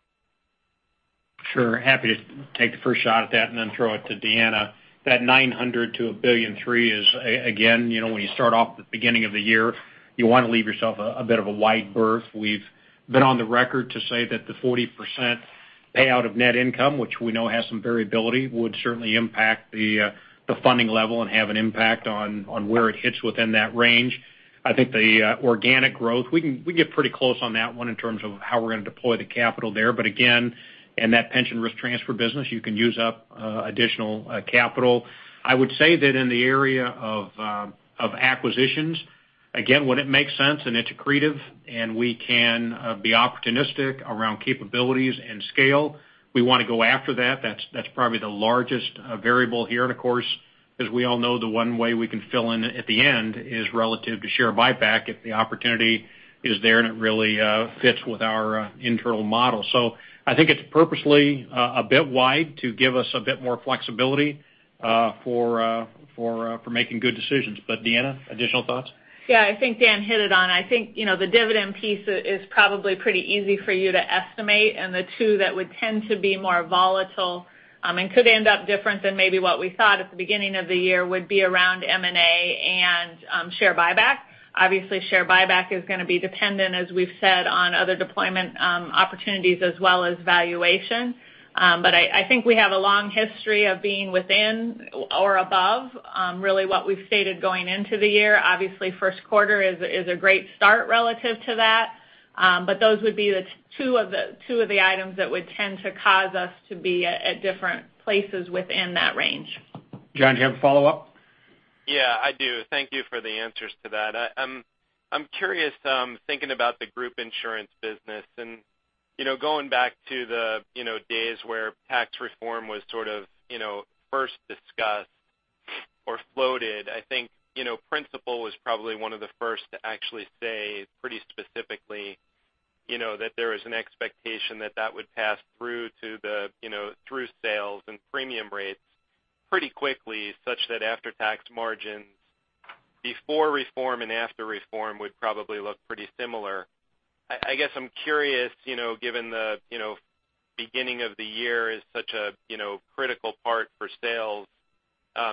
Sure. Happy to take the first shot at that and then throw it to Deanna Strable. That $900 million-$1.3 billion is, again, when you start off at the beginning of the year, you want to leave yourself a bit of a wide berth. We've been on the record to say that the 40% payout of net income, which we know has some variability, would certainly impact the funding level and have an impact on where it hits within that range. I think the organic growth, we can get pretty close on that one in terms of how we're going to deploy the capital there. Again, in that pension risk transfer business, you can use up additional capital. I would say that in the area of acquisitions, again, when it makes sense and it's accretive and we can be opportunistic around capabilities and scale, we want to go after that. That's probably the largest variable here. Of course, as we all know, the one way we can fill in at the end is relative to share buyback if the opportunity is there and it really fits with our internal model. I think it's purposely a bit wide to give us a bit more flexibility for making good decisions. Deanna Strable, additional thoughts? Yeah, I think Dan Houston hit it on. I think, the dividend piece is probably pretty easy for you to estimate. The two that would tend to be more volatile, and could end up different than maybe what we thought at the beginning of the year, would be around M&A and share buyback. Obviously, share buyback is going to be dependent, as we've said, on other deployment opportunities as well as valuation. I think we have a long history of being within or above, really what we've stated going into the year. Obviously, first quarter is a great start relative to that. Those would be the two of the items that would tend to cause us to be at different places within that range. John, do you have a follow-up? Yeah, I do. Thank you for the answers to that. I'm curious, thinking about the group insurance business and going back to the days where tax reform was sort of first discussed or floated, I think Principal was probably one of the first to actually say pretty specifically, that there was an expectation that that would pass through sales and premium rates pretty quickly, such that after-tax margins before reform and after reform would probably look pretty similar. I guess I'm curious, given the beginning of the year is such a critical part for sales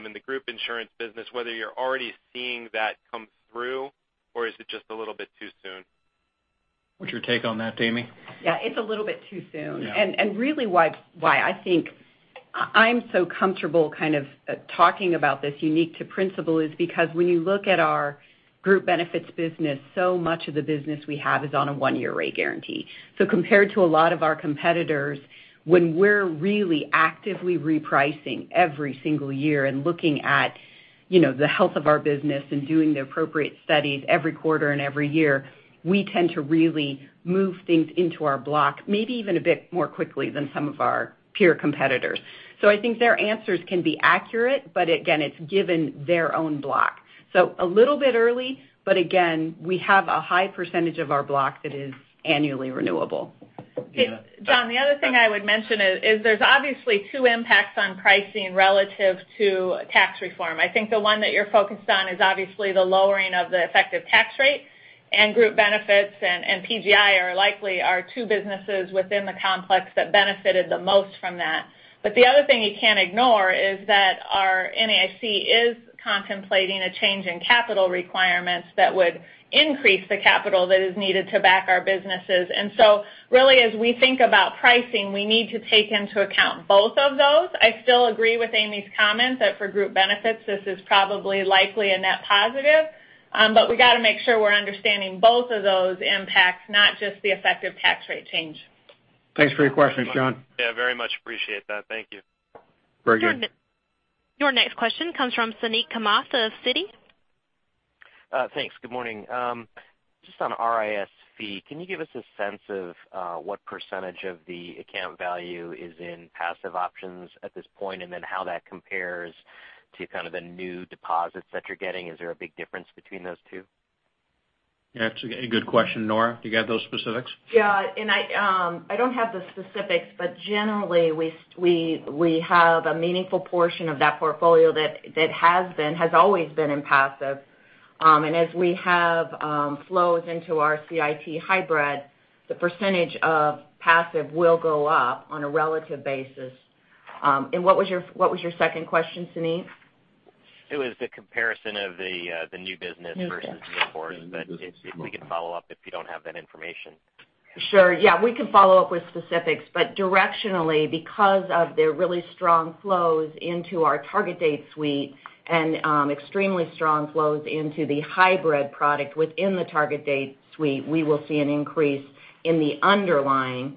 in the group insurance business, whether you're already seeing that come through, or is it just a little bit too soon? What's your take on that, Amy? Yeah, it's a little bit too soon. Yeah. Really why I think I'm so comfortable kind of talking about this unique to Principal is because when you look at our group benefits business, so much of the business we have is on a one-year rate guarantee. Compared to a lot of our competitors, when we're really actively repricing every single year and looking at the health of our business and doing the appropriate studies every quarter and every year, we tend to really move things into our block, maybe even a bit more quickly than some of our peer competitors. I think their answers can be accurate, but again, it's given their own block. A little bit early, but again, we have a high percentage of our block that is annually renewable. Deanna. John, the other thing I would mention is there's obviously two impacts on pricing relative to tax reform. I think the one that you're focused on is obviously the lowering of the effective tax rate and group benefits and PGI are likely our two businesses within the complex that benefited the most from that. The other thing you can't ignore is that our NAIC is contemplating a change in capital requirements that would increase the capital that is needed to back our businesses. Really, as we think about pricing, we need to take into account both of those. I still agree with Amy's comment that for group benefits, this is probably likely a net positive. We got to make sure we're understanding both of those impacts, not just the effective tax rate change. Thanks for your question, John. Yeah, very much appreciate that. Thank you. Very good. Your next question comes from Suneet Kamath of Citi. Thanks. Good morning. Just on RIS, can you give us a sense of what % of the account value is in passive options at this point, and then how that compares to kind of the new deposits that you're getting? Is there a big difference between those two? Yeah, it's a good question. Nora, do you have those specifics? Yeah. I don't have the specifics. Generally, we have a meaningful portion of that portfolio that has always been in passive. As we have flows into our CIT hybrid, the percentage of passive will go up on a relative basis. What was your second question, Suneet? It was the comparison of the new business versus the old- New business We can follow up if you don't have that information. Sure. Yeah, we can follow up with specifics, directionally, because of their really strong flows into our target date suite and extremely strong flows into the hybrid product within the target date suite, we will see an increase in the underlying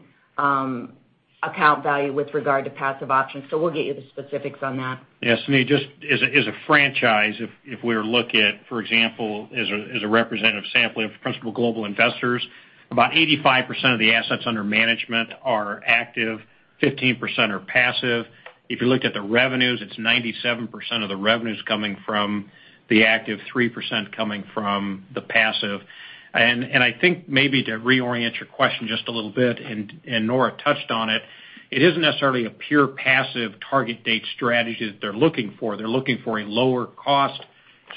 Account value with regard to passive options. We'll get you the specifics on that. Yes, Suneet, just as a franchise, if we were to look at, for example, as a representative sampling of Principal Global Investors, about 85% of the assets under management are active, 15% are passive. If you looked at the revenues, it's 97% of the revenues coming from the active, 3% coming from the passive. I think maybe to reorient your question just a little bit, and Nora touched on it isn't necessarily a pure passive target date strategy that they're looking for. They're looking for a lower cost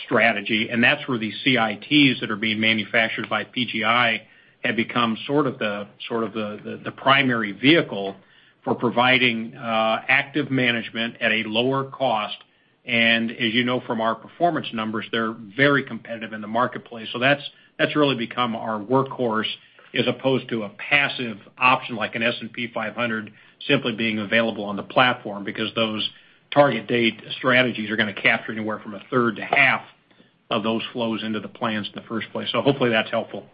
strategy, and that's where these CITs that are being manufactured by PGI have become sort of the primary vehicle for providing active management at a lower cost. As you know from our performance numbers, they're very competitive in the marketplace. That's really become our workhorse as opposed to a passive option like an S&P 500 simply being available on the platform because those target date strategies are going to capture anywhere from a third to half of those flows into the plans in the first place. Hopefully that's helpful.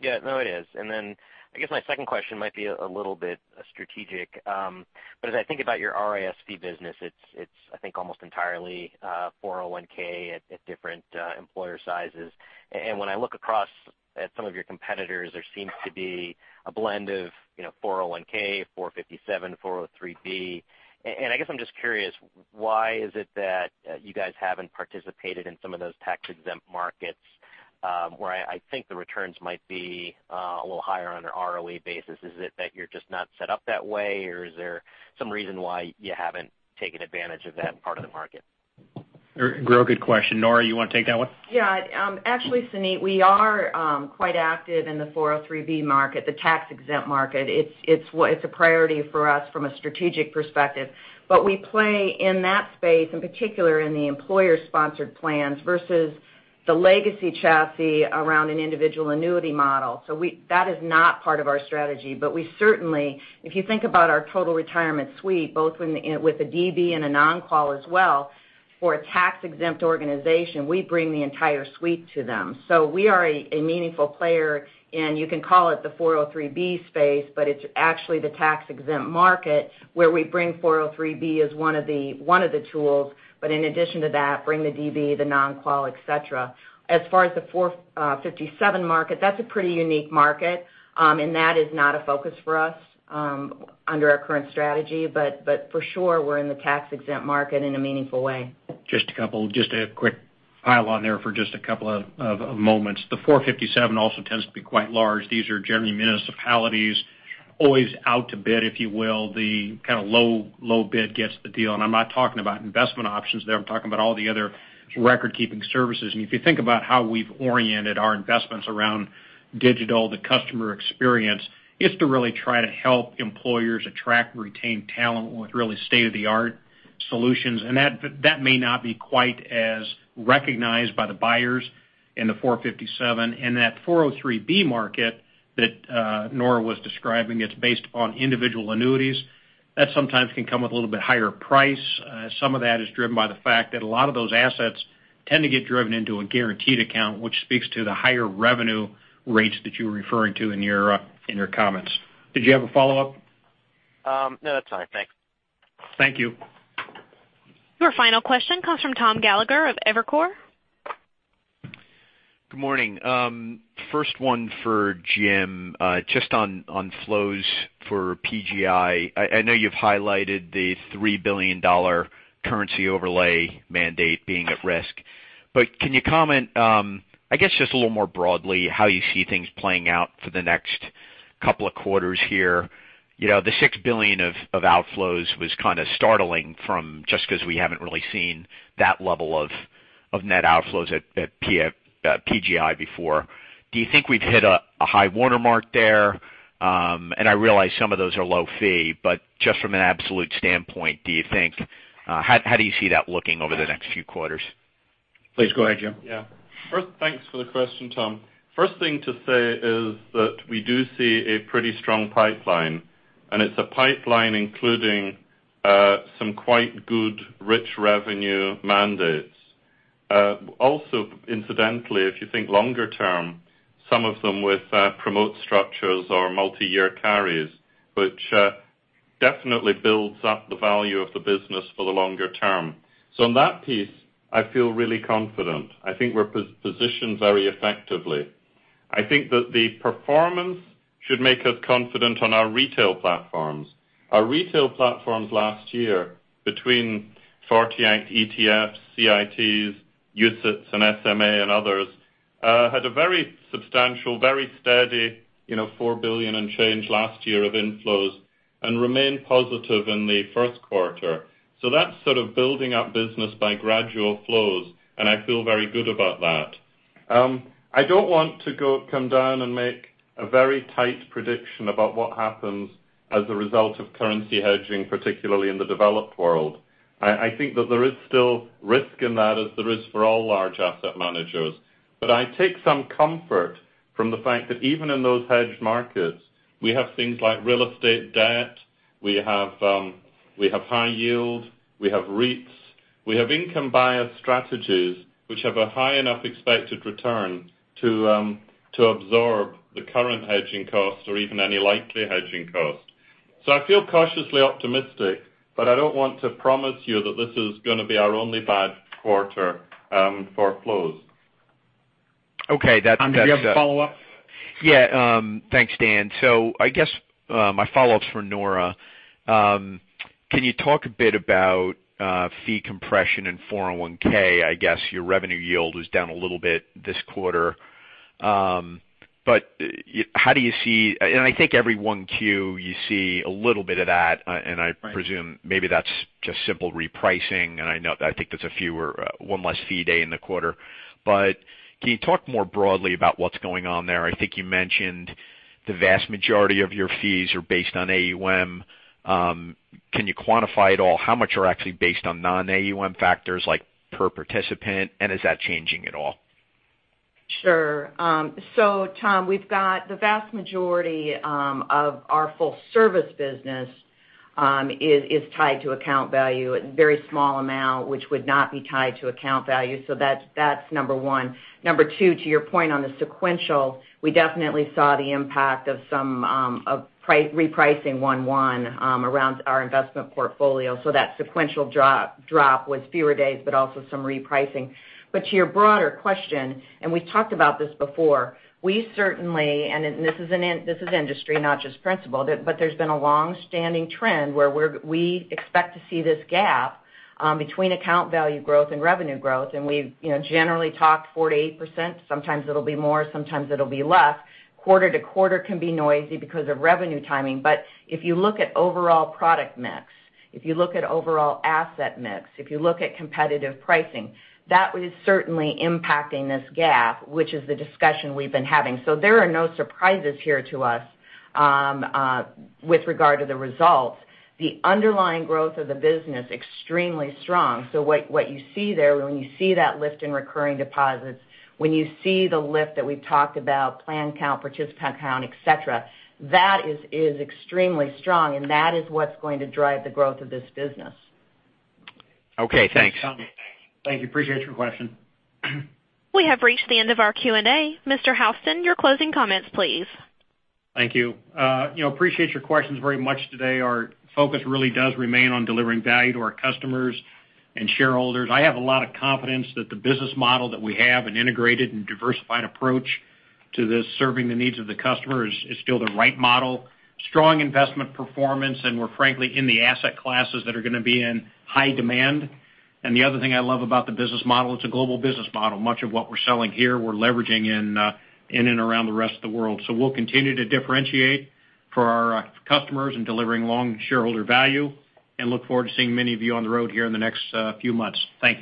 Yeah, no, it is. Then I guess my second question might be a little bit strategic. As I think about your RISP business, it's I think almost entirely 401 at different employer sizes. When I look across at some of your competitors, there seems to be a blend of 401, 457, 403. I guess I'm just curious, why is it that you guys haven't participated in some of those tax-exempt markets, where I think the returns might be a little higher on an ROE basis? Is it that you're just not set up that way, or is there some reason why you haven't taken advantage of that part of the market? Real good question. Nora, you want to take that one? Yeah. Actually, Suneet, we are quite active in the 403 market, the tax-exempt market. It's a priority for us from a strategic perspective. We play in that space, in particular in the employer-sponsored plans, versus the legacy chassis around an individual annuity model. That is not part of our strategy. We certainly, if you think about our total retirement suite, both with a DB and a non-qual as well, for a tax-exempt organization, we bring the entire suite to them. We are a meaningful player, and you can call it the 403 space, but it's actually the tax-exempt market where we bring 403 as one of the tools, but in addition to that, bring the DB, the non-qual, et cetera. As far as the 457 market, that's a pretty unique market, and that is not a focus for us under our current strategy. For sure, we're in the tax-exempt market in a meaningful way. Just a quick pile on there for just a couple of moments. The 457 also tends to be quite large. These are generally municipalities, always out to bid, if you will. The low bid gets the deal. I'm not talking about investment options there. I'm talking about all the other record-keeping services. If you think about how we've oriented our investments around digital, the customer experience, it's to really try to help employers attract and retain talent with really state-of-the-art solutions. That may not be quite as recognized by the buyers in the 457. That 403 market that Nora was describing, it's based upon individual annuities. That sometimes can come with a little bit higher price. Some of that is driven by the fact that a lot of those assets tend to get driven into a guaranteed account, which speaks to the higher revenue rates that you were referring to in your comments. Did you have a follow-up? No, that's all right. Thanks. Thank you. Your final question comes from Thomas Gallagher of Evercore. Good morning. First one for Jim, just on flows for PGI. I know you've highlighted the $3 billion currency overlay mandate being at risk. Can you comment, I guess, just a little more broadly, how you see things playing out for the next couple of quarters here? The $6 billion of outflows was kind of startling just because we haven't really seen that level of net outflows at PGI before. Do you think we've hit a high water mark there? I realize some of those are low fee, but just from an absolute standpoint, how do you see that looking over the next few quarters? Please go ahead, Jim. Yeah. Thanks for the question, Tom. First thing to say is that we do see a pretty strong pipeline, and it's a pipeline including some quite good, rich revenue mandates. Incidentally, if you think longer term, some of them with promote structures or multi-year carries, which definitely builds up the value of the business for the longer term. On that piece, I feel really confident. I think we're positioned very effectively. I think that the performance should make us confident on our retail platforms. Our retail platforms last year, between 40 Act ETFs, CITs, UCITS, and SMA and others, had a very substantial, very steady, $4 billion and change last year of inflows, and remained positive in the first quarter. That's sort of building up business by gradual flows, and I feel very good about that. I don't want to come down and make a very tight prediction about what happens as a result of currency hedging, particularly in the developed world. I think that there is still risk in that as there is for all large asset managers. I take some comfort from the fact that even in those hedged markets, we have things like real estate debt, we have high yield, we have REITs. We have income-biased strategies which have a high enough expected return to absorb the current hedging costs or even any likely hedging costs. I feel cautiously optimistic, but I don't want to promise you that this is going to be our only bad quarter for flows. Okay. Tom, do you have a follow-up? Thanks, Dan. I guess my follow-up's for Nora. Can you talk a bit about fee compression in 401(k)? I guess your revenue yield was down a little bit this quarter. I think every 1Q, you see a little bit of that, and I presume maybe that's just simple repricing. I think that's one less fee day in the quarter. Can you talk more broadly about what's going on there? I think you mentioned the vast majority of your fees are based on AUM. Can you quantify at all how much are actually based on non-AUM factors, like per participant, and is that changing at all? Sure. Tom, we've got the vast majority of our full service business is tied to account value. A very small amount which would not be tied to account value. That's number 1. Number 2, to your point on the sequential, we definitely saw the impact of some repricing 1/1 around our investment portfolio. That sequential drop was fewer days, but also some repricing. To your broader question, we've talked about this before, we certainly, and this is industry, not just Principal, but there's been a long-standing trend where we expect to see this gap between account value growth and revenue growth, we've generally talked 4%-8%. Sometimes it'll be more, sometimes it'll be less. Quarter-to-quarter can be noisy because of revenue timing. If you look at overall product mix, if you look at overall asset mix, if you look at competitive pricing, that is certainly impacting this gap, which is the discussion we've been having. There are no surprises here to us with regard to the results. The underlying growth of the business, extremely strong. What you see there, when you see that lift in recurring deposits, when you see the lift that we've talked about, plan count, participant count, et cetera, that is extremely strong, and that is what's going to drive the growth of this business. Okay, thanks. Thanks, Tom. Thank you. Appreciate your question. We have reached the end of our Q&A. Mr. Houston, your closing comments, please. Thank you. Appreciate your questions very much today. Our focus really does remain on delivering value to our customers and shareholders. I have a lot of confidence that the business model that we have, an integrated and diversified approach to this, serving the needs of the customer, is still the right model. Strong investment performance. We're frankly in the asset classes that are going to be in high demand. The other thing I love about the business model, it's a global business model. Much of what we're selling here, we're leveraging in and around the rest of the world. We'll continue to differentiate for our customers in delivering long shareholder value, and look forward to seeing many of you on the road here in the next few months. Thank you.